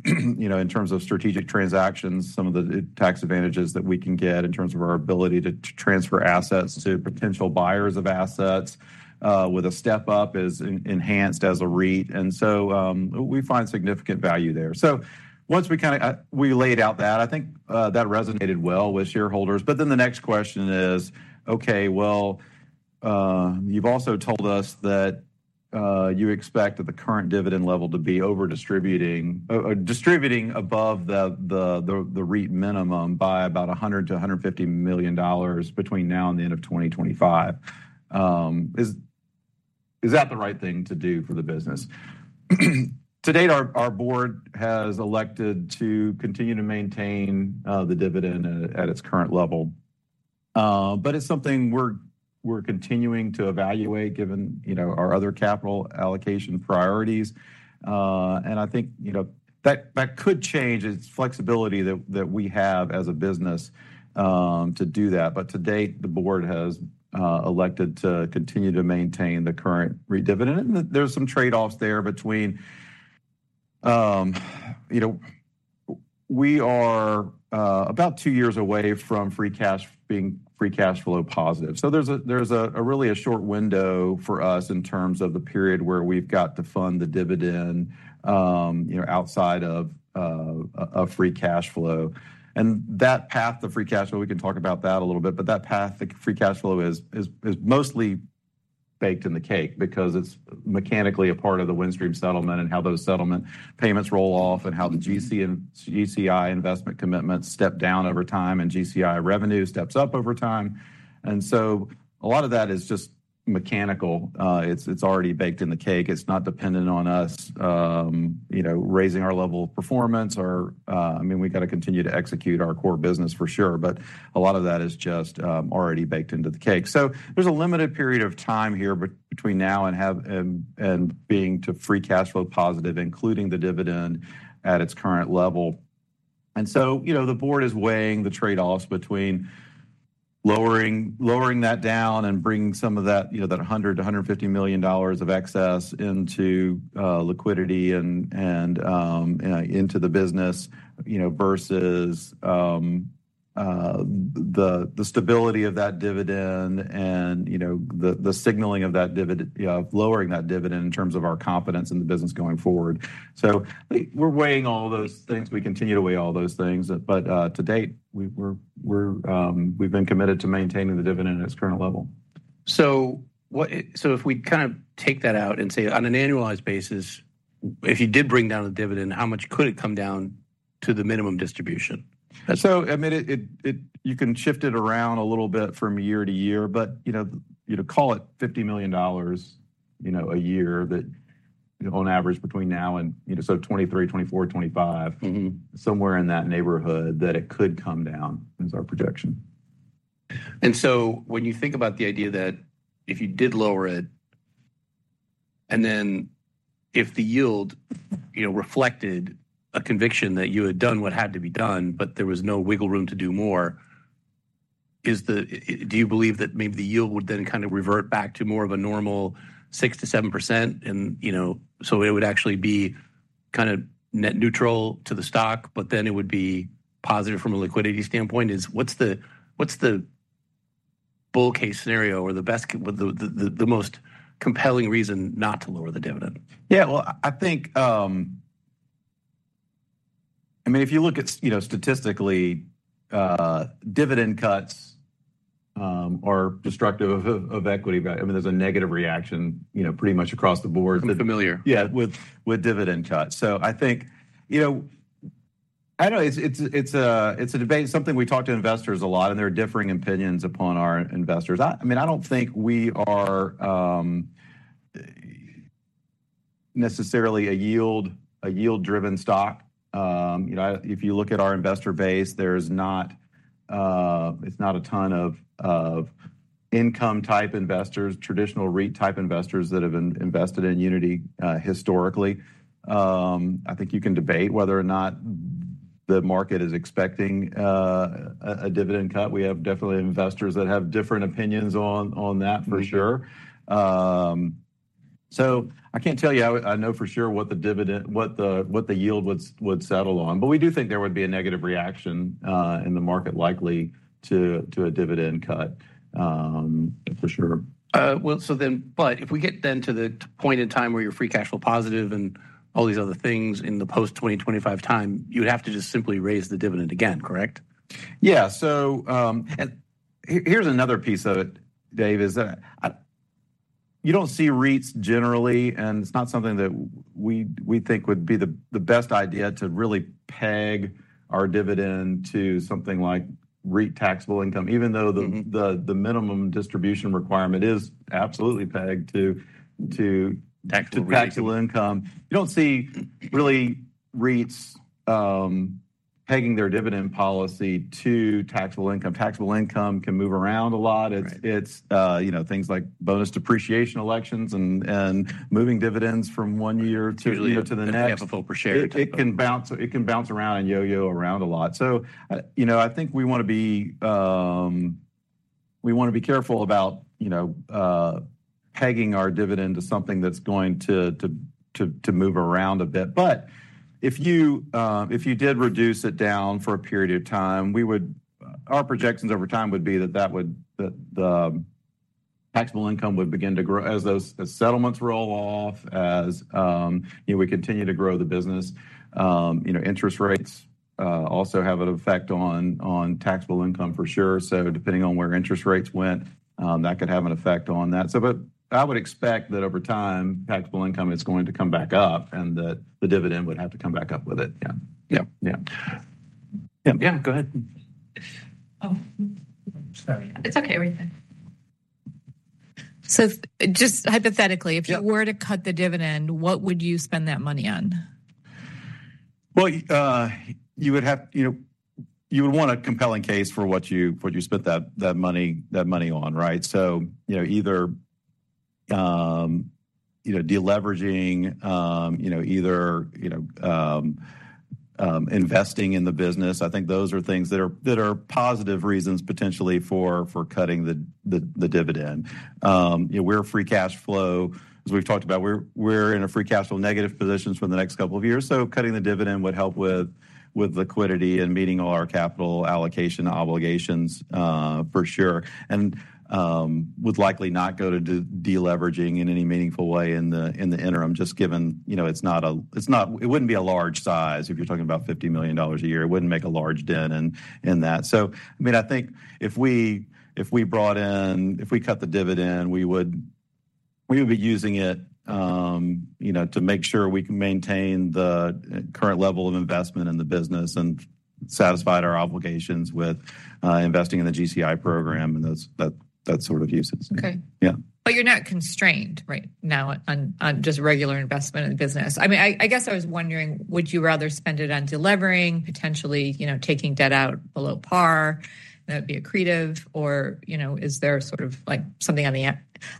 you know, in terms of strategic transactions, some of the tax advantages that we can get in terms of our ability to transfer assets to potential buyers of assets with a step-up is enhanced as a REIT, and so we find significant value there. So once we kinda we laid out that, I think that resonated well with shareholders. But then the next question is: Okay, well, You've also told us that you expect that the current dividend level to be over-distributing, or distributing above the REIT minimum by about $100 million-$150 million between now and the end of 2025. Is that the right thing to do for the business? To date, our board has elected to continue to maintain the dividend at its current level. But it's something we're continuing to evaluate, given, you know, our other capital allocation priorities. And I think, you know, that could change. It's flexibility that we have as a business to do that. But to date, the board has elected to continue to maintain the current REIT dividend, and there's some trade-offs there between. You know, we are about two years away from being free cash flow positive. So there's a really short window for us in terms of the period where we've got to fund the dividend, you know, outside of free cash flow. And that path to free cash flow, we can talk about that a little bit, but that path to free cash flow is mostly baked in the cake because it's mechanically a part of the Windstream settlement and how those settlement payments roll off, and how the GCI investment commitments step down over time, and GCI revenue steps up over time. And so a lot of that is just mechanical. It's already baked in the cake. It's not dependent on us, you know, raising our level of performance or. I mean, we've got to continue to execute our core business, for sure, but a lot of that is just already baked into the cake. So there's a limited period of time here between now and having to be free cash flow positive, including the dividend at its current level. And so, you know, the board is weighing the trade-offs between lowering that down and bringing some of that, you know, that $100-$150 million of excess into liquidity and into the business. You know, versus the stability of that dividend and, you know, the signaling of lowering that dividend in terms of our confidence in the business going forward. So we're weighing all those things. We continue to weigh all those things, but to date, we've been committed to maintaining the dividend at its current level. So if we kind of take that out and say, on an annualized basis, if you did bring down the dividend, how much could it come down to the minimum distribution? So, I mean, you can shift it around a little bit from year to year, but, you know, you'd call it $50 million, you know, a year that on average, between now and, you know, so 2023, 2024, 2025 somewhere in that neighborhood, that it could come down, is our projection. And so when you think about the idea that if you did lower it, and then if the yield, you know, reflected a conviction that you had done what had to be done, but there was no wiggle room to do more, do you believe that maybe the yield would then kind of revert back to more of a normal 6%-7%? And, you know, so it would actually be kind of net neutral to the stock, but then it would be positive from a liquidity standpoint. What's the bull case scenario or the best the most compelling reason not to lower the dividend? Yeah. Well, I think, I mean, if you look at, you know, statistically, dividend cuts are destructive of equity value. I mean, there's a negative reaction, you know, pretty much across the board- I'm familiar. Yeah, with dividend cuts. So I think, you know... I don't know, it's a debate, something we talk to investors a lot, and there are differing opinions among our investors. I mean, I don't think we are necessarily a yield-driven stock. You know, if you look at our investor base, there's not, it's not a ton of income-type investors, traditional REIT-type investors that have been invested in Uniti, historically. I think you can debate whether or not the market is expecting a dividend cut. We have definitely investors that have different opinions on that, for sure. So, I can't tell you. I know for sure what the yield would settle on, but we do think there would be a negative reaction in the market likely to a dividend cut, for sure. Well, so then, but if we get then to the point in time where you're free cash flow positive and all these other things in the post-2025 time, you would have to just simply raise the dividend again, correct? Yeah. So, and here's another piece of it, Dave, is that I... You don't see REITs generally, and it's not something that we, we think would be the, the best idea to really peg our dividend to something like REIT taxable income, even though the minimum distribution requirement is absolutely pegged to... Taxable income Taxable income. You don't see really, REITs, pegging their dividend policy to taxable income. Taxable income can move around a lot. Right. It's, you know, things like bonus depreciation elections and moving dividends from one year to the next. $0.50 per share. It can bounce around and yo-yo around a lot. So, you know, I think we wanna be careful about, you know, pegging our dividend to something that's going to move around a bit. But if you did reduce it down for a period of time, our projections over time would be that that would... That the taxable income would begin to grow as those settlements roll off, as, you know, we continue to grow the business. You know, interest rates also have an effect on taxable income for sure. So depending on where interest rates went, that could have an effect on that. But I would expect that over time, taxable income is going to come back up, and that the dividend would have to come back up with it. Yeah. Yeah. Yeah. Yeah, go ahead. Oh. Sorry. It's okay, Nathan. So just hypothetically if you were to cut the dividend, what would you spend that money on? Well, you know, you would want a compelling case for what you spent that money on, right? So, you know, either de-leveraging or investing in the business. I think those are things that are positive reasons, potentially for cutting the dividend. You know, as we've talked about, we're in a free cash flow negative position for the next couple of years. So cutting the dividend would help with liquidity and meeting all our capital allocation obligations, for sure. And would likely not go to de-leveraging in any meaningful way in the interim, just given, you know, it wouldn't be a large size. If you're talking about $50 million a year, it wouldn't make a large dent in that. So, I mean, I think if we cut the dividend, we would be using it, you know, to make sure we can maintain the current level of investment in the business and satisfied our obligations with investing in the GCI program and that sort of uses. Okay. Yeah. But you're not constrained right now on just regular investment in the business. I mean, I guess I was wondering, would you rather spend it on delevering, potentially, you know, taking debt out below par, that'd be accretive? Or, you know, is there sort of like something on the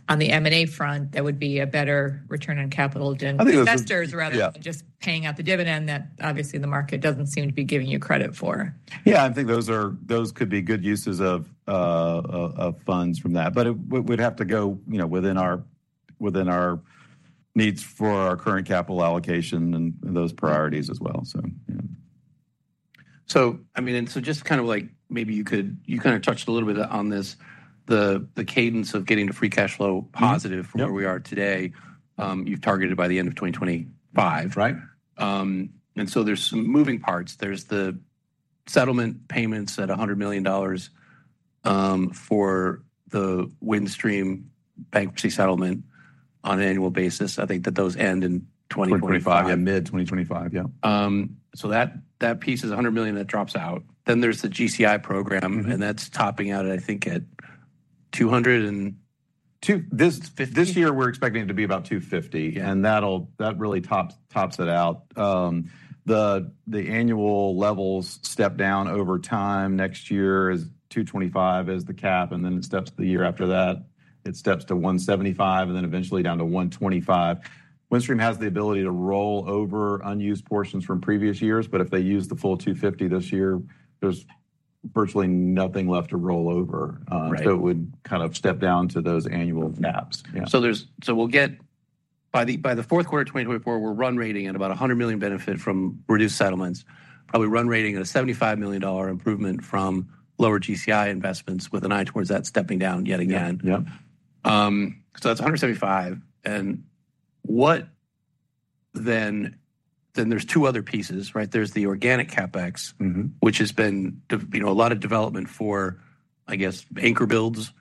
M&A front that would be a better return on capital than- I think those- investors, rather than- Yeah just paying out the dividend that obviously the market doesn't seem to be giving you credit for? Yeah, I think those could be good uses of funds from that. But we'd have to go, you know, within our needs for our current capital allocation and those priorities as well, so yeah. I mean, just kind of, like, maybe you could—you kind of touched a little bit on this, the cadence of getting to free cash flow positive from where we are today, you've targeted by the end of 2025, right? And so there's some moving parts. There's the settlement payments at $100 million for the Windstream bankruptcy settlement on an annual basis. I think that those end in 2025. Mid 2025, yeah. So that piece is $100 million that drops out. Then there's the GCI program and that's topping out, I think, at 200 and- Two. this year, we're expecting it to be about $250 and that'll really top it out. The annual levels step down over time. Next year is $225, the cap, and then it steps to the year after that. It steps to $175, and then eventually down to $125. Windstream has the ability to roll over unused portions from previous years, but if they use the full $250 this year, there's virtually nothing left to roll over. So it would kind of step down to those annual caps. Yeah. So we'll get by the fourth quarter of 2024, we're run-rating at about a $100 million benefit from reduced settlements. Probably run-rating at a $75 million improvement from lower GCI investments, with an eye towards that stepping down yet again. Yeah. Yeah. So that's 175. And what then-- then there's two other pieces, right? There's the organic CapEx which has been, you know, a lot of development for, I guess, anchor builds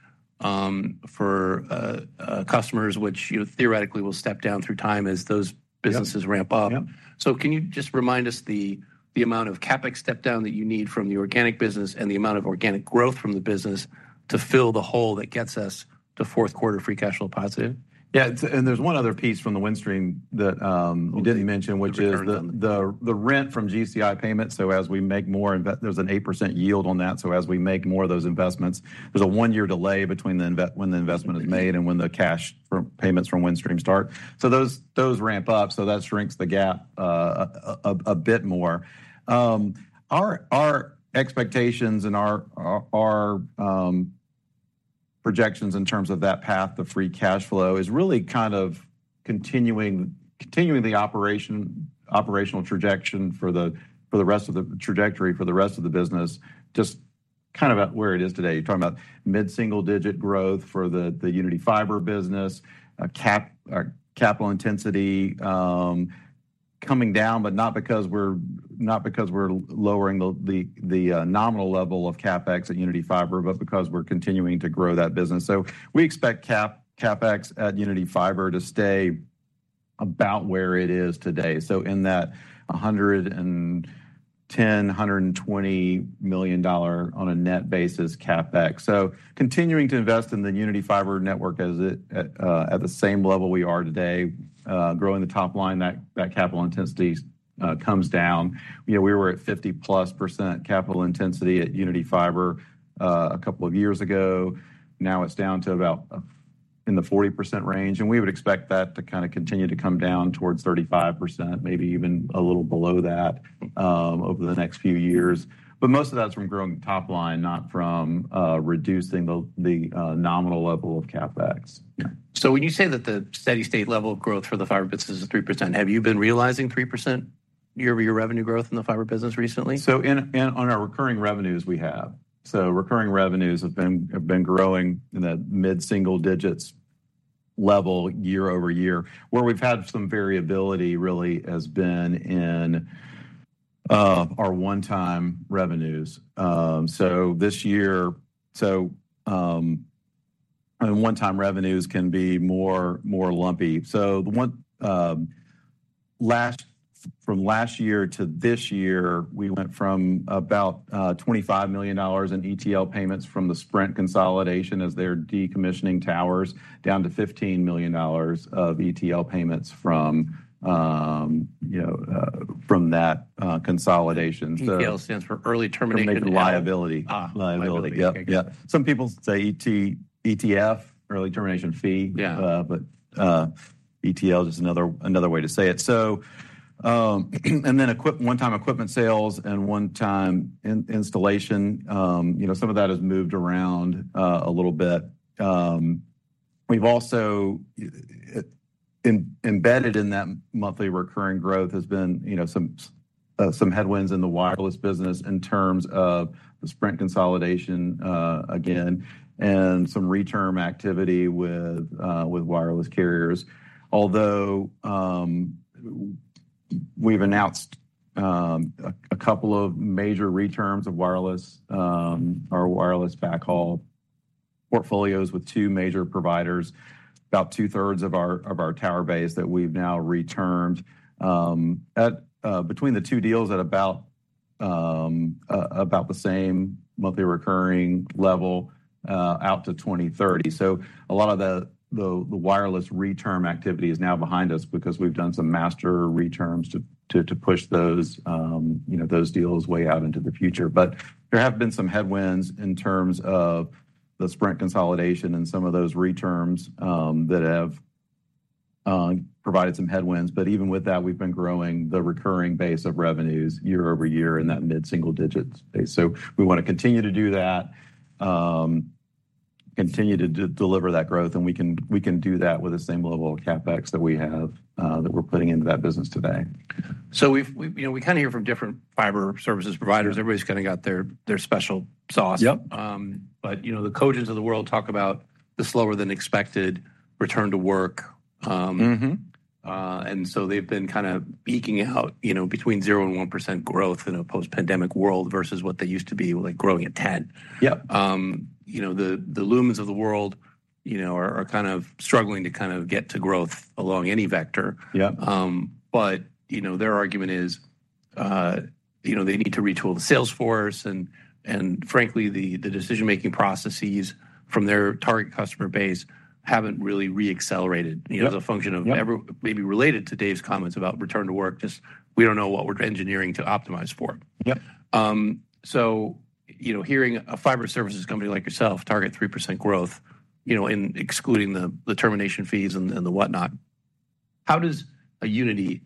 for customers, which, you know, theoretically will step down through time as those businesses ramp up. So can you just remind us the amount of CapEx step down that you need from the organic business and the amount of organic growth from the business to fill the hole that gets us to fourth quarter free cash flow positive? Yeah, it's, and there's one other piece from the Windstream that we didn't mention which is the rent from GCI payments. So as we make more investments, there's an 8% yield on that. So as we make more of those investments, there's a one-year delay between the investment—when the investment is made and when the cash from payments from Windstream start. So those ramp up, so that shrinks the gap a bit more. Our expectations and our projections in terms of that path of free cash flow is really kind of continuing the operational trajectory for the rest of the business, just kind of at where it is today. You're talking about mid-single-digit growth for the Uniti Fiber business, a capital intensity coming down, but not because we're lowering the nominal level of CapEx at Uniti Fiber, but because we're continuing to grow that business. So we expect CapEx at Uniti Fiber to stay about where it is today. So in that $110-$120 million on a net basis, CapEx. So continuing to invest in the Uniti Fiber network as it... at the same level we are today, growing the top line, that capital intensity comes down. You know, we were at 50%+ capital intensity at Uniti Fiber a couple of years ago. Now, it's down to about in the 40% range, and we would expect that to kind of continue to come down towards 35%, maybe even a little below that, over the next few years. But most of that's from growing the top line, not from reducing the nominal level of CapEx. Yeah. So when you say that the steady-state level of growth for the fiber business is 3%, have you been realizing 3% year-over-year revenue growth in the fiber business recently? So in on our recurring revenues, we have. So recurring revenues have been growing in the mid-single digits level year over year. Where we've had some variability really has been in our one-time revenues. So this year, so, and one-time revenues can be more lumpy. So the one, last—from last year to this year, we went from about $25 million in ETL payments from the Sprint consolidation as they're decommissioning towers, down to $15 million of ETL payments from you know from that consolidation. ETL stands for Early Termination- Liability. Ah. Liability. Yep. Yep. Some people say ETL, Early Termination Liability. Yeah. But ETL is just another way to say it. So, and then one-time equipment sales and one-time installation, you know, some of that has moved around a little bit. We've also embedded in that monthly recurring growth, you know, some headwinds in the wireless business in terms of the Sprint consolidation, again, and some reterm activity with wireless carriers. Although, we've announced a couple of major reterms of our wireless backhaul portfolios with two major providers, about two-thirds of our tower base that we've now retermed, at between the two deals at about the same monthly recurring level out to 2030. So a lot of the wireless reterm activity is now behind us because we've done some master reterms to push those, you know, those deals way out into the future. But there have been some headwinds in terms of the Sprint consolidation and some of those reterms that have provided some headwinds. But even with that, we've been growing the recurring base of revenues year-over-year in that mid-single digits base. So we want to continue to do that, continue to deliver that growth, and we can do that with the same level of CapEx that we have that we're putting into that business today. So we've, you know, we kinda hear from different fiber services providers. Everybody's kind of got their special sauce. But, you know, the Cogents of the world talk about the slower-than-expected return to work. And so they've been kinda eking out, you know, between 0%-1% growth in a post-pandemic world versus what they used to be, like, growing at 10%. You know, the Lumens of the world, you know, are kind of struggling to kind of get to growth along any vector. But, you know, their argument is, you know, they need to retool the sales force. And frankly, the decision-making processes from their target customer base haven't really re-accelerated as a function of every maybe related to Dave's comments about return to work, just we don't know what we're engineering to optimize for. So, you know, hearing a fiber services company like yourself target 3% growth, you know, in excluding the termination fees and the whatnot, how does Uniti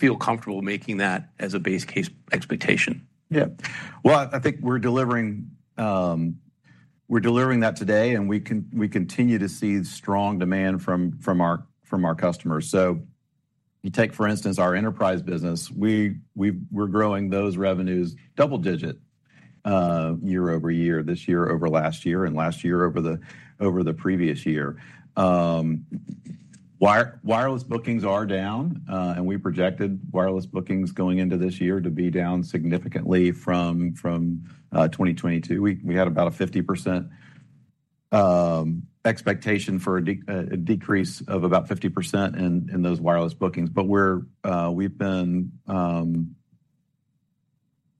feel comfortable making that as a base case expectation? Yeah. Well, I think we're delivering that today, and we continue to see strong demand from our customers. So you take, for instance, our enterprise business. We're growing those revenues double-digit year-over-year, this year over last year and last year over the previous year. Wireless bookings are down, and we projected wireless bookings going into this year to be down significantly from 2022. We had about a 50% expectation for a decrease of about 50% in those wireless bookings. But we've been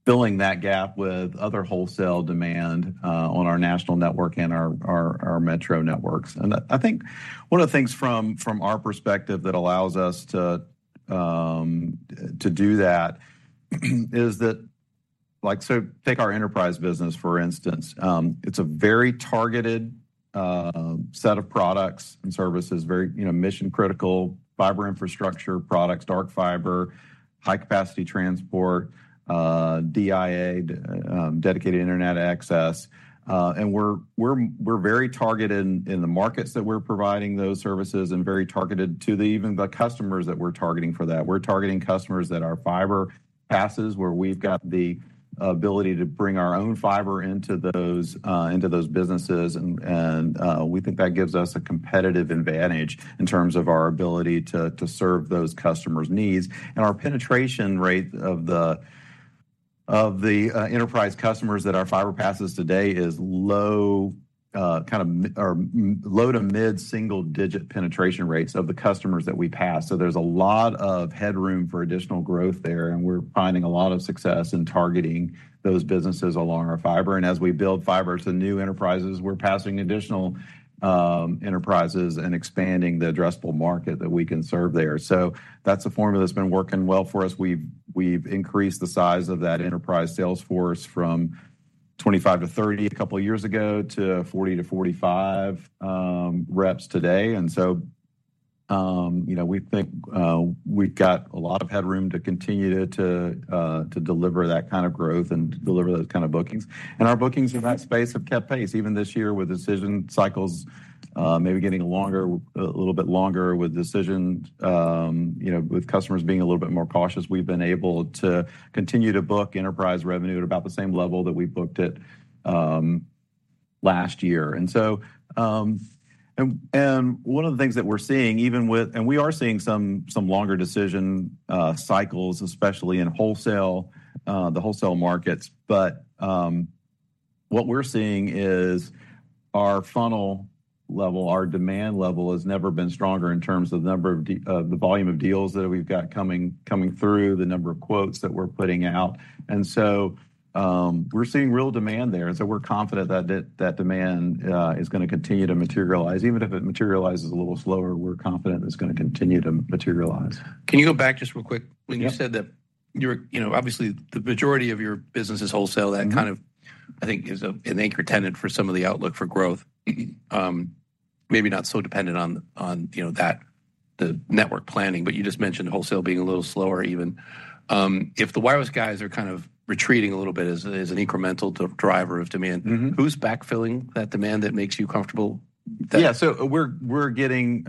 filling that gap with other wholesale demand on our national network and our metro networks. And I think one of the things from our perspective that allows us to do that is that—like, so take our enterprise business, for instance. It's a very targeted set of products and services, very, you know, mission-critical fiber infrastructure products, dark fiber, high-capacity transport, DIA, dedicated internet access. And we're very targeted in the markets that we're providing those services and very targeted to the, even the customers that we're targeting for that. We're targeting customers that our fiber passes, where we've got the ability to bring our own fiber into those businesses. And we think that gives us a competitive advantage in terms of our ability to serve those customers' needs. And our penetration rate of the enterprise customers that our fiber passes today is low, kind of low to mid-single-digit penetration rates of the customers that we pass. So there's a lot of headroom for additional growth there, and we're finding a lot of success in targeting those businesses along our fiber. And as we build fiber to new enterprises, we're passing additional enterprises and expanding the addressable market that we can serve there. So that's a formula that's been working well for us. We've increased the size of that enterprise sales force from 25-30 a couple of years ago, to 40-45 reps today. And so, you know, we think we've got a lot of headroom to continue to deliver that kind of growth and deliver those kind of bookings. Our bookings in that space have kept pace, even this year, with decision cycles maybe getting longer, a little bit longer with decisions, you know, with customers being a little bit more cautious. We've been able to continue to book enterprise revenue at about the same level that we booked it last year. So, one of the things that we're seeing, even with and we are seeing some longer decision cycles, especially in wholesale, the wholesale markets. But what we're seeing is our funnel level, our demand level has never been stronger in terms of the number of the volume of deals that we've got coming through, the number of quotes that we're putting out. And so, we're seeing real demand there, and so we're confident that demand is gonna continue to materialize. Even if it materializes a little slower, we're confident it's gonna continue to materialize. Can you go back just real quick? When you said that you're, you know, obviously, the majority of your business is wholesale. That kind of, I think, is an anchor tenant for some of the outlook for growth. Maybe not so dependent on, you know, that, the network planning, but you just mentioned wholesale being a little slower even. If the wireless guys are kind of retreating a little bit as an incremental driver of demand who's backfilling that demand that makes you comfortable? Yeah. So we're getting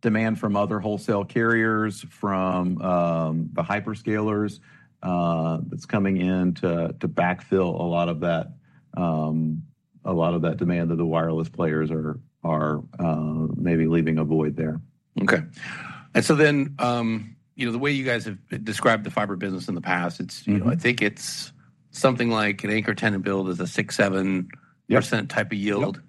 demand from other wholesale carriers, from the hyperscalers, that's coming in to backfill a lot of that demand that the wireless players are maybe leaving a void there. Okay. And so then, you know, the way you guys have described the fiber business in the past, it's you know, I think it's something like an anchor tenant build is a 6-7% type of yield.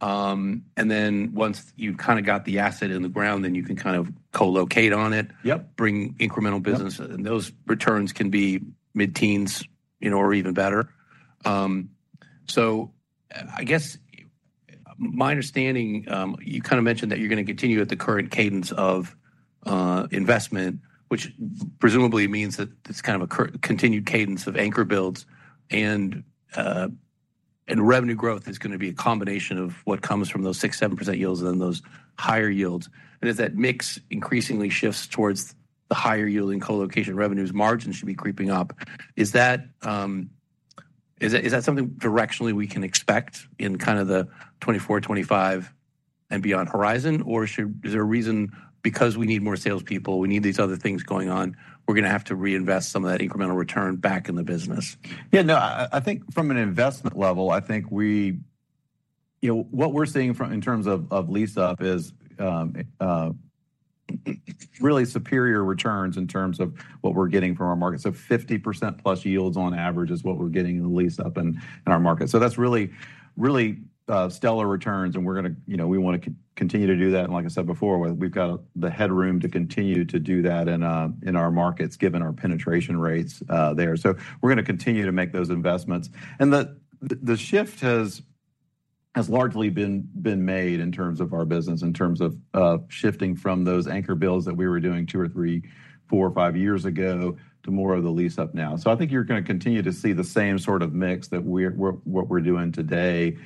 And then once you've kind of got the asset in the ground, then you can kind of co-locate on it bring incremental business. And those returns can be mid-teens, you know, or even better. So I guess, my understanding, you kind of mentioned that you're gonna continue at the current cadence of investment, which presumably means that it's kind of a continued cadence of anchor builds, and revenue growth is gonna be a combination of what comes from those 6%-7% yields and those higher yields. And as that mix increasingly shifts towards the higher yielding colocation revenues, margins should be creeping up. Is that something directionally we can expect in kind of the 2024, 2025, and beyond horizon? Or is there a reason, because we need more salespeople, we need these other things going on, we're gonna have to reinvest some of that incremental return back in the business? Yeah, no, I think from an investment level, I think we... You know, what we're seeing from, in terms of lease-up is really superior returns in terms of what we're getting from our markets. So 50%+ yields on average is what we're getting in the lease-up in our market. So that's really, really stellar returns, and we're gonna, you know, we wanna continue to do that, and like I said before, we've got the headroom to continue to do that in our markets, given our penetration rates there. So we're gonna continue to make those investments. The shift has largely been made in terms of our business, in terms of shifting from those anchor builds that we were doing 2 or 3, 4 or 5 years ago, to more of the lease-up now. So I think you're gonna continue to see the same sort of mix that we're doing today, and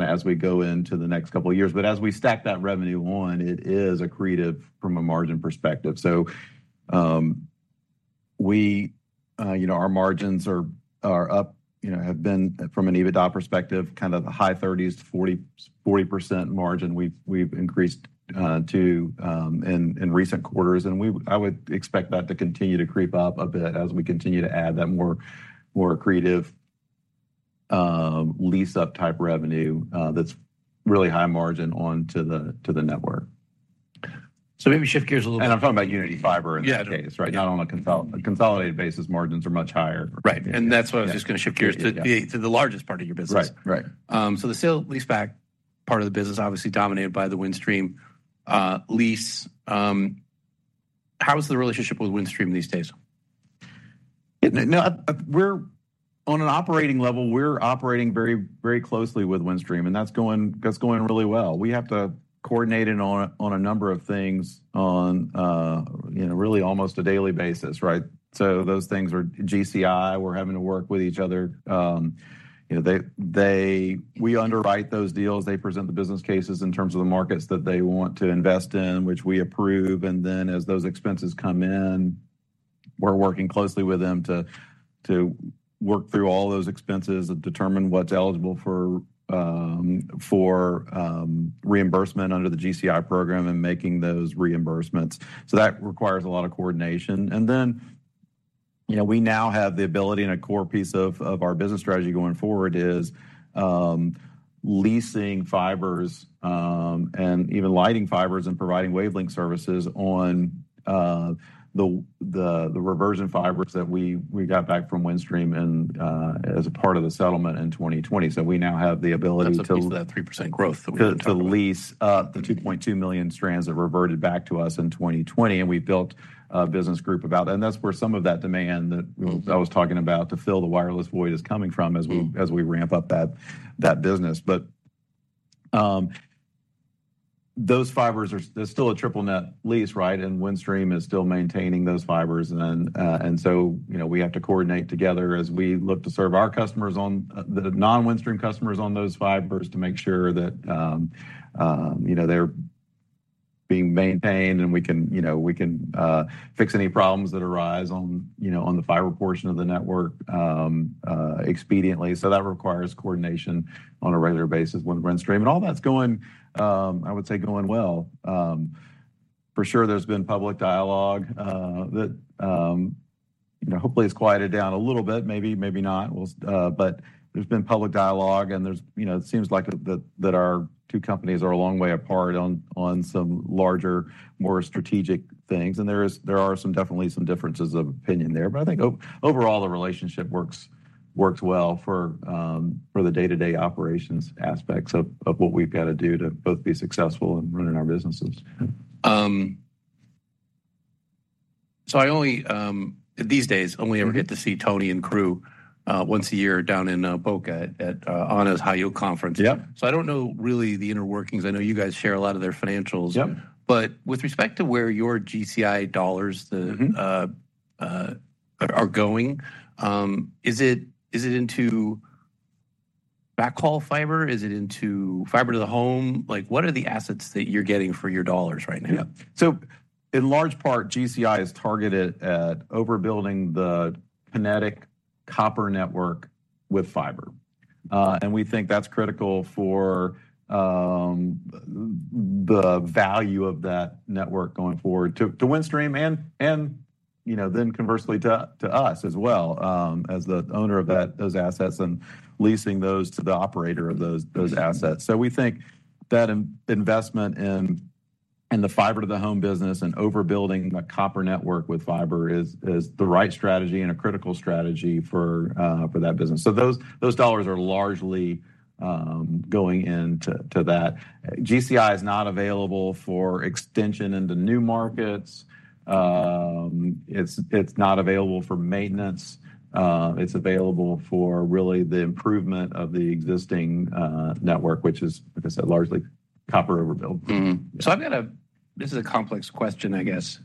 as we go into the next couple of years. But as we stack that revenue on, it is accretive from a margin perspective. So, you know, our margins are up, you know, have been from an EBITDA perspective, kind of the high 30s to 40, 40% margin. We've increased to in recent quarters, and I would expect that to continue to creep up a bit as we continue to add that more accretive lease-up type revenue that's really high margin on to the network. Maybe shift gears a little bit- I'm talking about Uniti Fiber in this case, right? Not on a consolidated basis, margins are much higher. Right. Yeah. That's why I was just gonna shift gears to the largest part of your business. Right. Right. So the sale leaseback part of the business, obviously dominated by the Windstream lease. How is the relationship with Windstream these days? No, we're operating very, very closely with Windstream, and that's going, that's going really well. We have to coordinate it on a number of things, you know, really almost a daily basis, right? So those things are GCI. We're having to work with each other. You know, we underwrite those deals. They present the business cases in terms of the markets that they want to invest in, which we approve, and then as those expenses come in, we're working closely with them to work through all those expenses and determine what's eligible for reimbursement under the GCI program and making those reimbursements. So that requires a lot of coordination. And then, you know, we now have the ability, and a core piece of our business strategy going forward is leasing fibers, and even lighting fibers and providing wavelength services on the reversion fibers that we got back from Windstream, and as a part of the settlement in 2020. So we now have the ability to- That's a piece of that 3% growth that we were talking about. To lease the 2.2 million strands that reverted back to us in 2020, and we've built a business group about it. That's where some of that demand that I was talking about to fill the wireless void is coming from as we ramp up that business. But, those fibers are—there's still a triple net lease, right? And Windstream is still maintaining those fibers, and so, you know, we have to coordinate together as we look to serve our customers on the non-Windstream customers on those fibers to make sure that, you know, they're being maintained, and we can, you know, we can fix any problems that arise on, you know, on the fiber portion of the network, expediently. So that requires coordination on a regular basis with Windstream. And all that's going, I would say, going well. For sure, there's been public dialogue that you know, hopefully it's quieted down a little bit, maybe, maybe not. Well, but there's been public dialogue, and there's, you know, it seems like that our two companies are a long way apart on some larger, more strategic things. And there are definitely some differences of opinion there. But I think overall, the relationship works well for the day-to-day operations aspects of what we've got to do to both be successful in running our businesses. So I only these days only ever get to see Tony and crew once a year down in Boca at his high yield conference. I don't know really the inner workings. I know you guys share a lot of their financials but with respect to where your GCI dollars are going, is it into backhaul fiber? Is it into fiber-to-the-home? Like, what are the assets that you're getting for your dollars right now? Yeah. So in large part, GCI is targeted at overbuilding the Kinetic copper network with fiber. And we think that's critical for the value of that network going forward to Windstream and, you know, then conversely, to us as well, as the owner of that, those assets and leasing those to the operator of those assets. So we think that investment in the fiber-to-the-home business and overbuilding the copper network with fiber is the right strategy and a critical strategy for that business. So those dollars are largely going into that. GCI is not available for extension into new markets. It's not available for maintenance. It's available for really the improvement of the existing network, which is, like I said, largely copper overbuild. Mm-hmm. So I've got a... This is a complex question, I guess.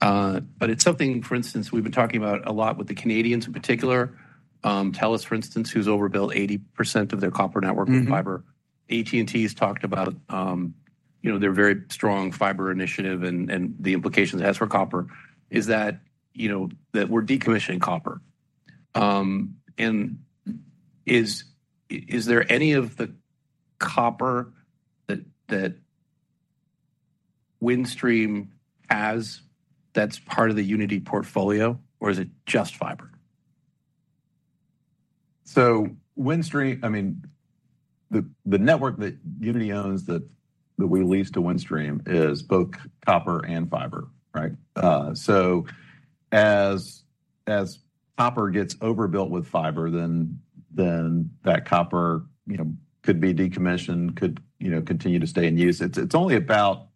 But it's something, for instance, we've been talking about a lot with the Canadians in particular. Telus, for instance, who's overbuilt 80% of their copper network with fiber. AT&T has talked about, you know, their very strong fiber initiative and, and the implications it has for copper, is that, you know, that we're decommissioning copper. And is there any of the copper that Windstream has that's part of the Uniti portfolio, or is it just fiber? So Windstream, I mean, the network that Uniti owns that we lease to Windstream is both copper and fiber, right? So as copper gets overbuilt with fiber, then that copper, you know, could be decommissioned, could, you know, continue to stay in use. It's only about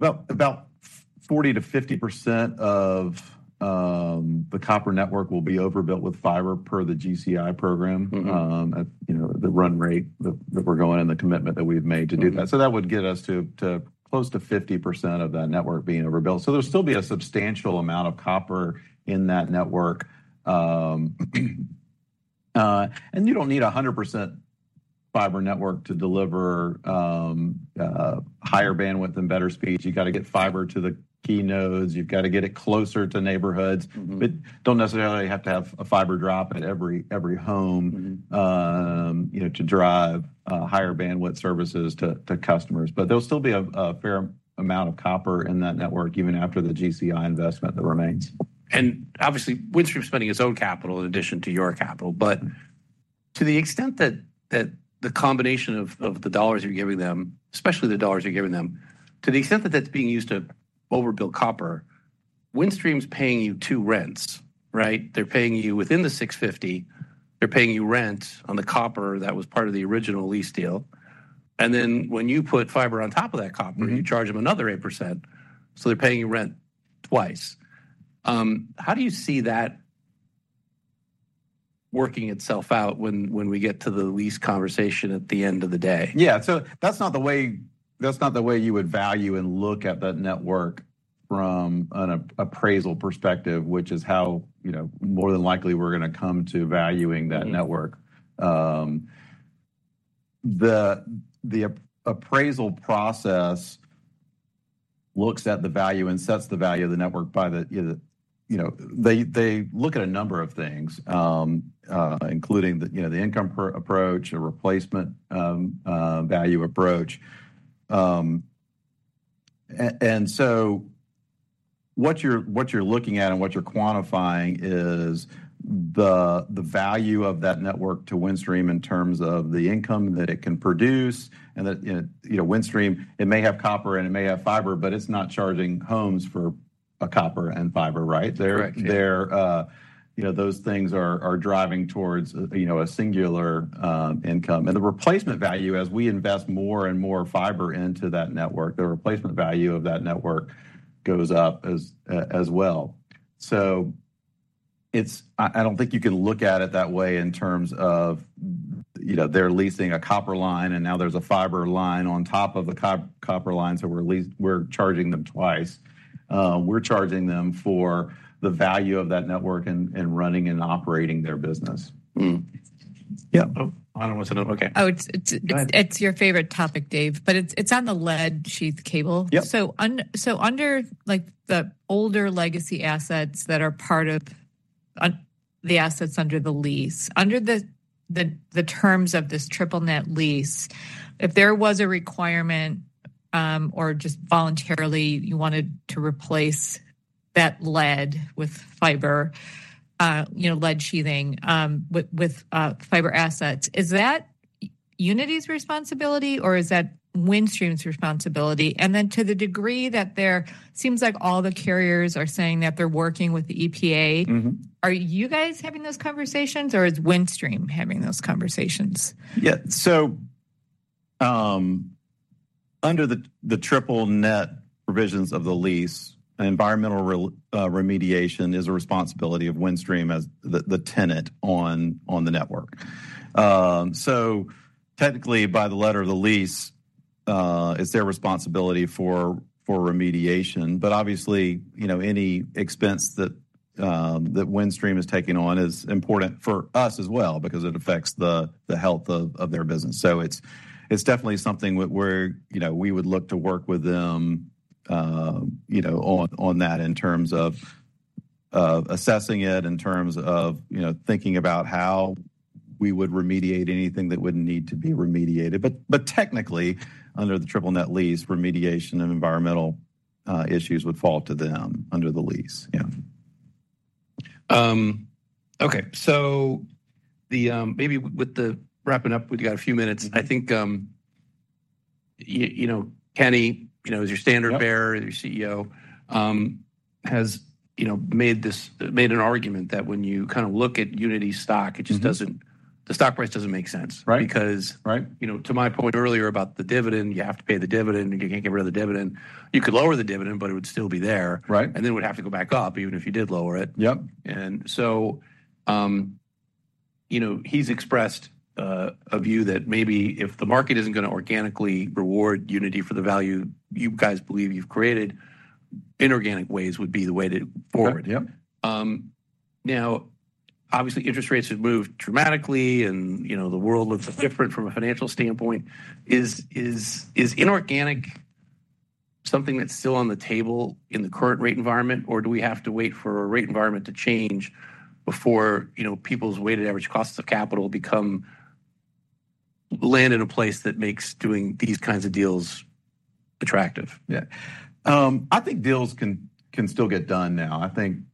40%-50% of the copper network will be overbuilt with fiber per the GCI program. At, you know, the run rate that we're going and the commitment that we've made to do that so that would get us to close to 50% of that network being overbuilt. So there'll still be a substantial amount of copper in that network. And you don't need a 100% fiber network to deliver higher bandwidth and better speed. You gotta get fiber to the key nodes. You've got to get it closer to neighborhoods but don't necessarily have to have a fiber drop at every home you know, to drive higher bandwidth services to customers. But there'll still be a fair amount of copper in that network, even after the GCI investment that remains. Obviously, Windstream is spending its own capital in addition to your capital. But to the extent that the combination of the dollars you're giving them, especially the dollars you're giving them, to the extent that that's being used to overbuild copper, Windstream's paying you two rents, right? They're paying you within the $650, they're paying you rent on the copper that was part of the original lease deal. And then when you put fiber on top of that copper, you charge them another 8%, so they're paying you rent twice. How do you see that working itself out when we get to the lease conversation at the end of the day? Yeah. So that's not the way, that's not the way you would value and look at that network from an appraisal perspective, which is how, you know, more than likely we're gonna come to valuing that network. The appraisal process looks at the value and sets the value of the network by the, you know, the, you know. They look at a number of things, including the, you know, the income approach, a replacement value approach. And so what you're looking at and what you're quantifying is the value of that network to Windstream in terms of the income that it can produce, and that, you know, you know, Windstream, it may have copper, and it may have fiber, but it's not charging homes for copper and fiber, right? Correct. They're, you know, those things are driving towards, you know, a singular income. And the replacement value, as we invest more and more fiber into that network, the replacement value of that network goes up as well. So it's I don't think you can look at it that way in terms of, you know, they're leasing a copper line, and now there's a fiber line on top of the copper line, so we're we're charging them twice. We're charging them for the value of that network and running and operating their business. Yeah. Oh, Ana wants to know? Okay. Oh, it's your favorite topic, Dave, but it's on the lead sheath cable. So under, like, the older legacy assets that are part of the assets under the lease. Under the terms of this triple net lease, if there was a requirement or just voluntarily you wanted to replace that lead with fiber, you know, lead sheathing with fiber assets, is that Uniti's responsibility or is that Windstream's responsibility? And then to the degree that seems like all the carriers are saying that they're working with the EPA. Are you guys having those conversations, or is Windstream having those conversations? Yeah. So, under the triple net provisions of the lease, environmental remediation is a responsibility of Windstream as the tenant on the network. So technically, by the letter of the lease, it's their responsibility for remediation. But obviously, you know, any expense that Windstream is taking on is important for us as well because it affects the health of their business. So it's definitely something where, you know, we would look to work with them, you know, on that in terms of assessing it, in terms of, you know, thinking about how we would remediate anything that would need to be remediated. But technically, under the triple net lease, remediation of environmental issues would fall to them under the lease. Yeah. Okay. So maybe with the wrapping up, we've got a few minutes. I think, you know, Kenny, you know, as your standard bearer, as your CEO, has, you know, made this, made an argument that when you kind of look at Uniti stock it just doesn't, the stock price doesn't make sense. Because you know, to my point earlier about the dividend, you have to pay the dividend, and you can't get rid of the dividend. You could lower the dividend, but it would still be there. Right. And then it would have to go back up, even if you did lower it. Yep. And so, you know, he's expressed a view that maybe if the market isn't gonna organically reward Uniti for the value you guys believe you've created, inorganic ways would be the way to forward. Yep, yep. Now, obviously, interest rates have moved dramatically, and, you know, the world looks different from a financial standpoint. Is inorganic something that's still on the table in the current rate environment, or do we have to wait for a rate environment to change before, you know, people's weighted average costs of capital become... land in a place that makes doing these kinds of deals attractive? Yeah. I think deals can still get done now. I think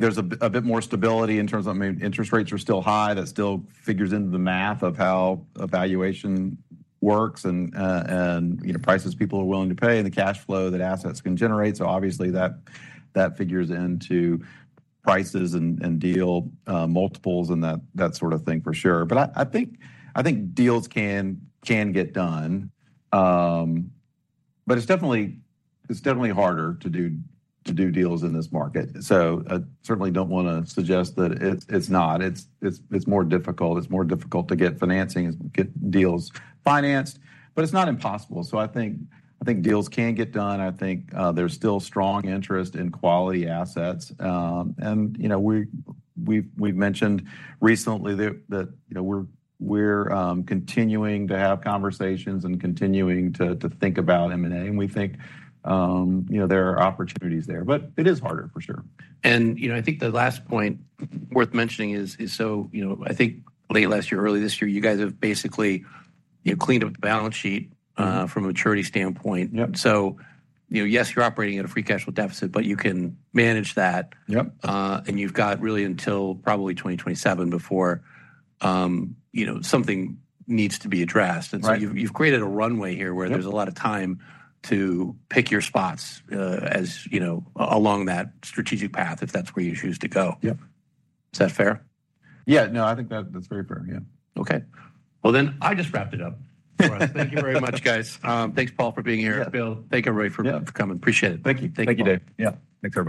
there's a bit more stability in terms of, I mean, interest rates are still high. That still figures into the math of how a valuation works and, and, you know, prices people are willing to pay and the cash flow that assets can generate. So obviously, that figures into prices and, and deal multiples and that sort of thing, for sure. But I think deals can get done. But it's definitely harder to do deals in this market. So I certainly don't wanna suggest that it's not. It's more difficult. It's more difficult to get financing and get deals financed, but it's not impossible. So I think, I think deals can get done. I think there's still strong interest in quality assets. And you know, we've mentioned recently that you know, we're continuing to have conversations and continuing to think about M&A. And we think you know, there are opportunities there, but it is harder, for sure. You know, I think the last point worth mentioning is, so you know, I think late last year, early this year, you guys have basically, you know, cleaned up the balance sheet from a maturity standpoint. Yep. You know, yes, you're operating at a free cash flow deficit, but you can manage that. Yep. You've got really until probably 2027 before, you know, something needs to be addressed. Right. And so you've, you've created a runway here where there's a lot of time to pick your spots, as you know, along that strategic path, if that's where you choose to go. Yep. Is that fair? Yeah. No, I think that's, that's very fair. Yeah. Okay. Well, then, I just wrapped it up for us. Thank you very much, guys. Thanks, Paul, for being here. Yeah. Bill, thank you, Ron, for coming. Appreciate it. Thank you. Thank you. Thank you, Dave. Yeah, thanks, everybody.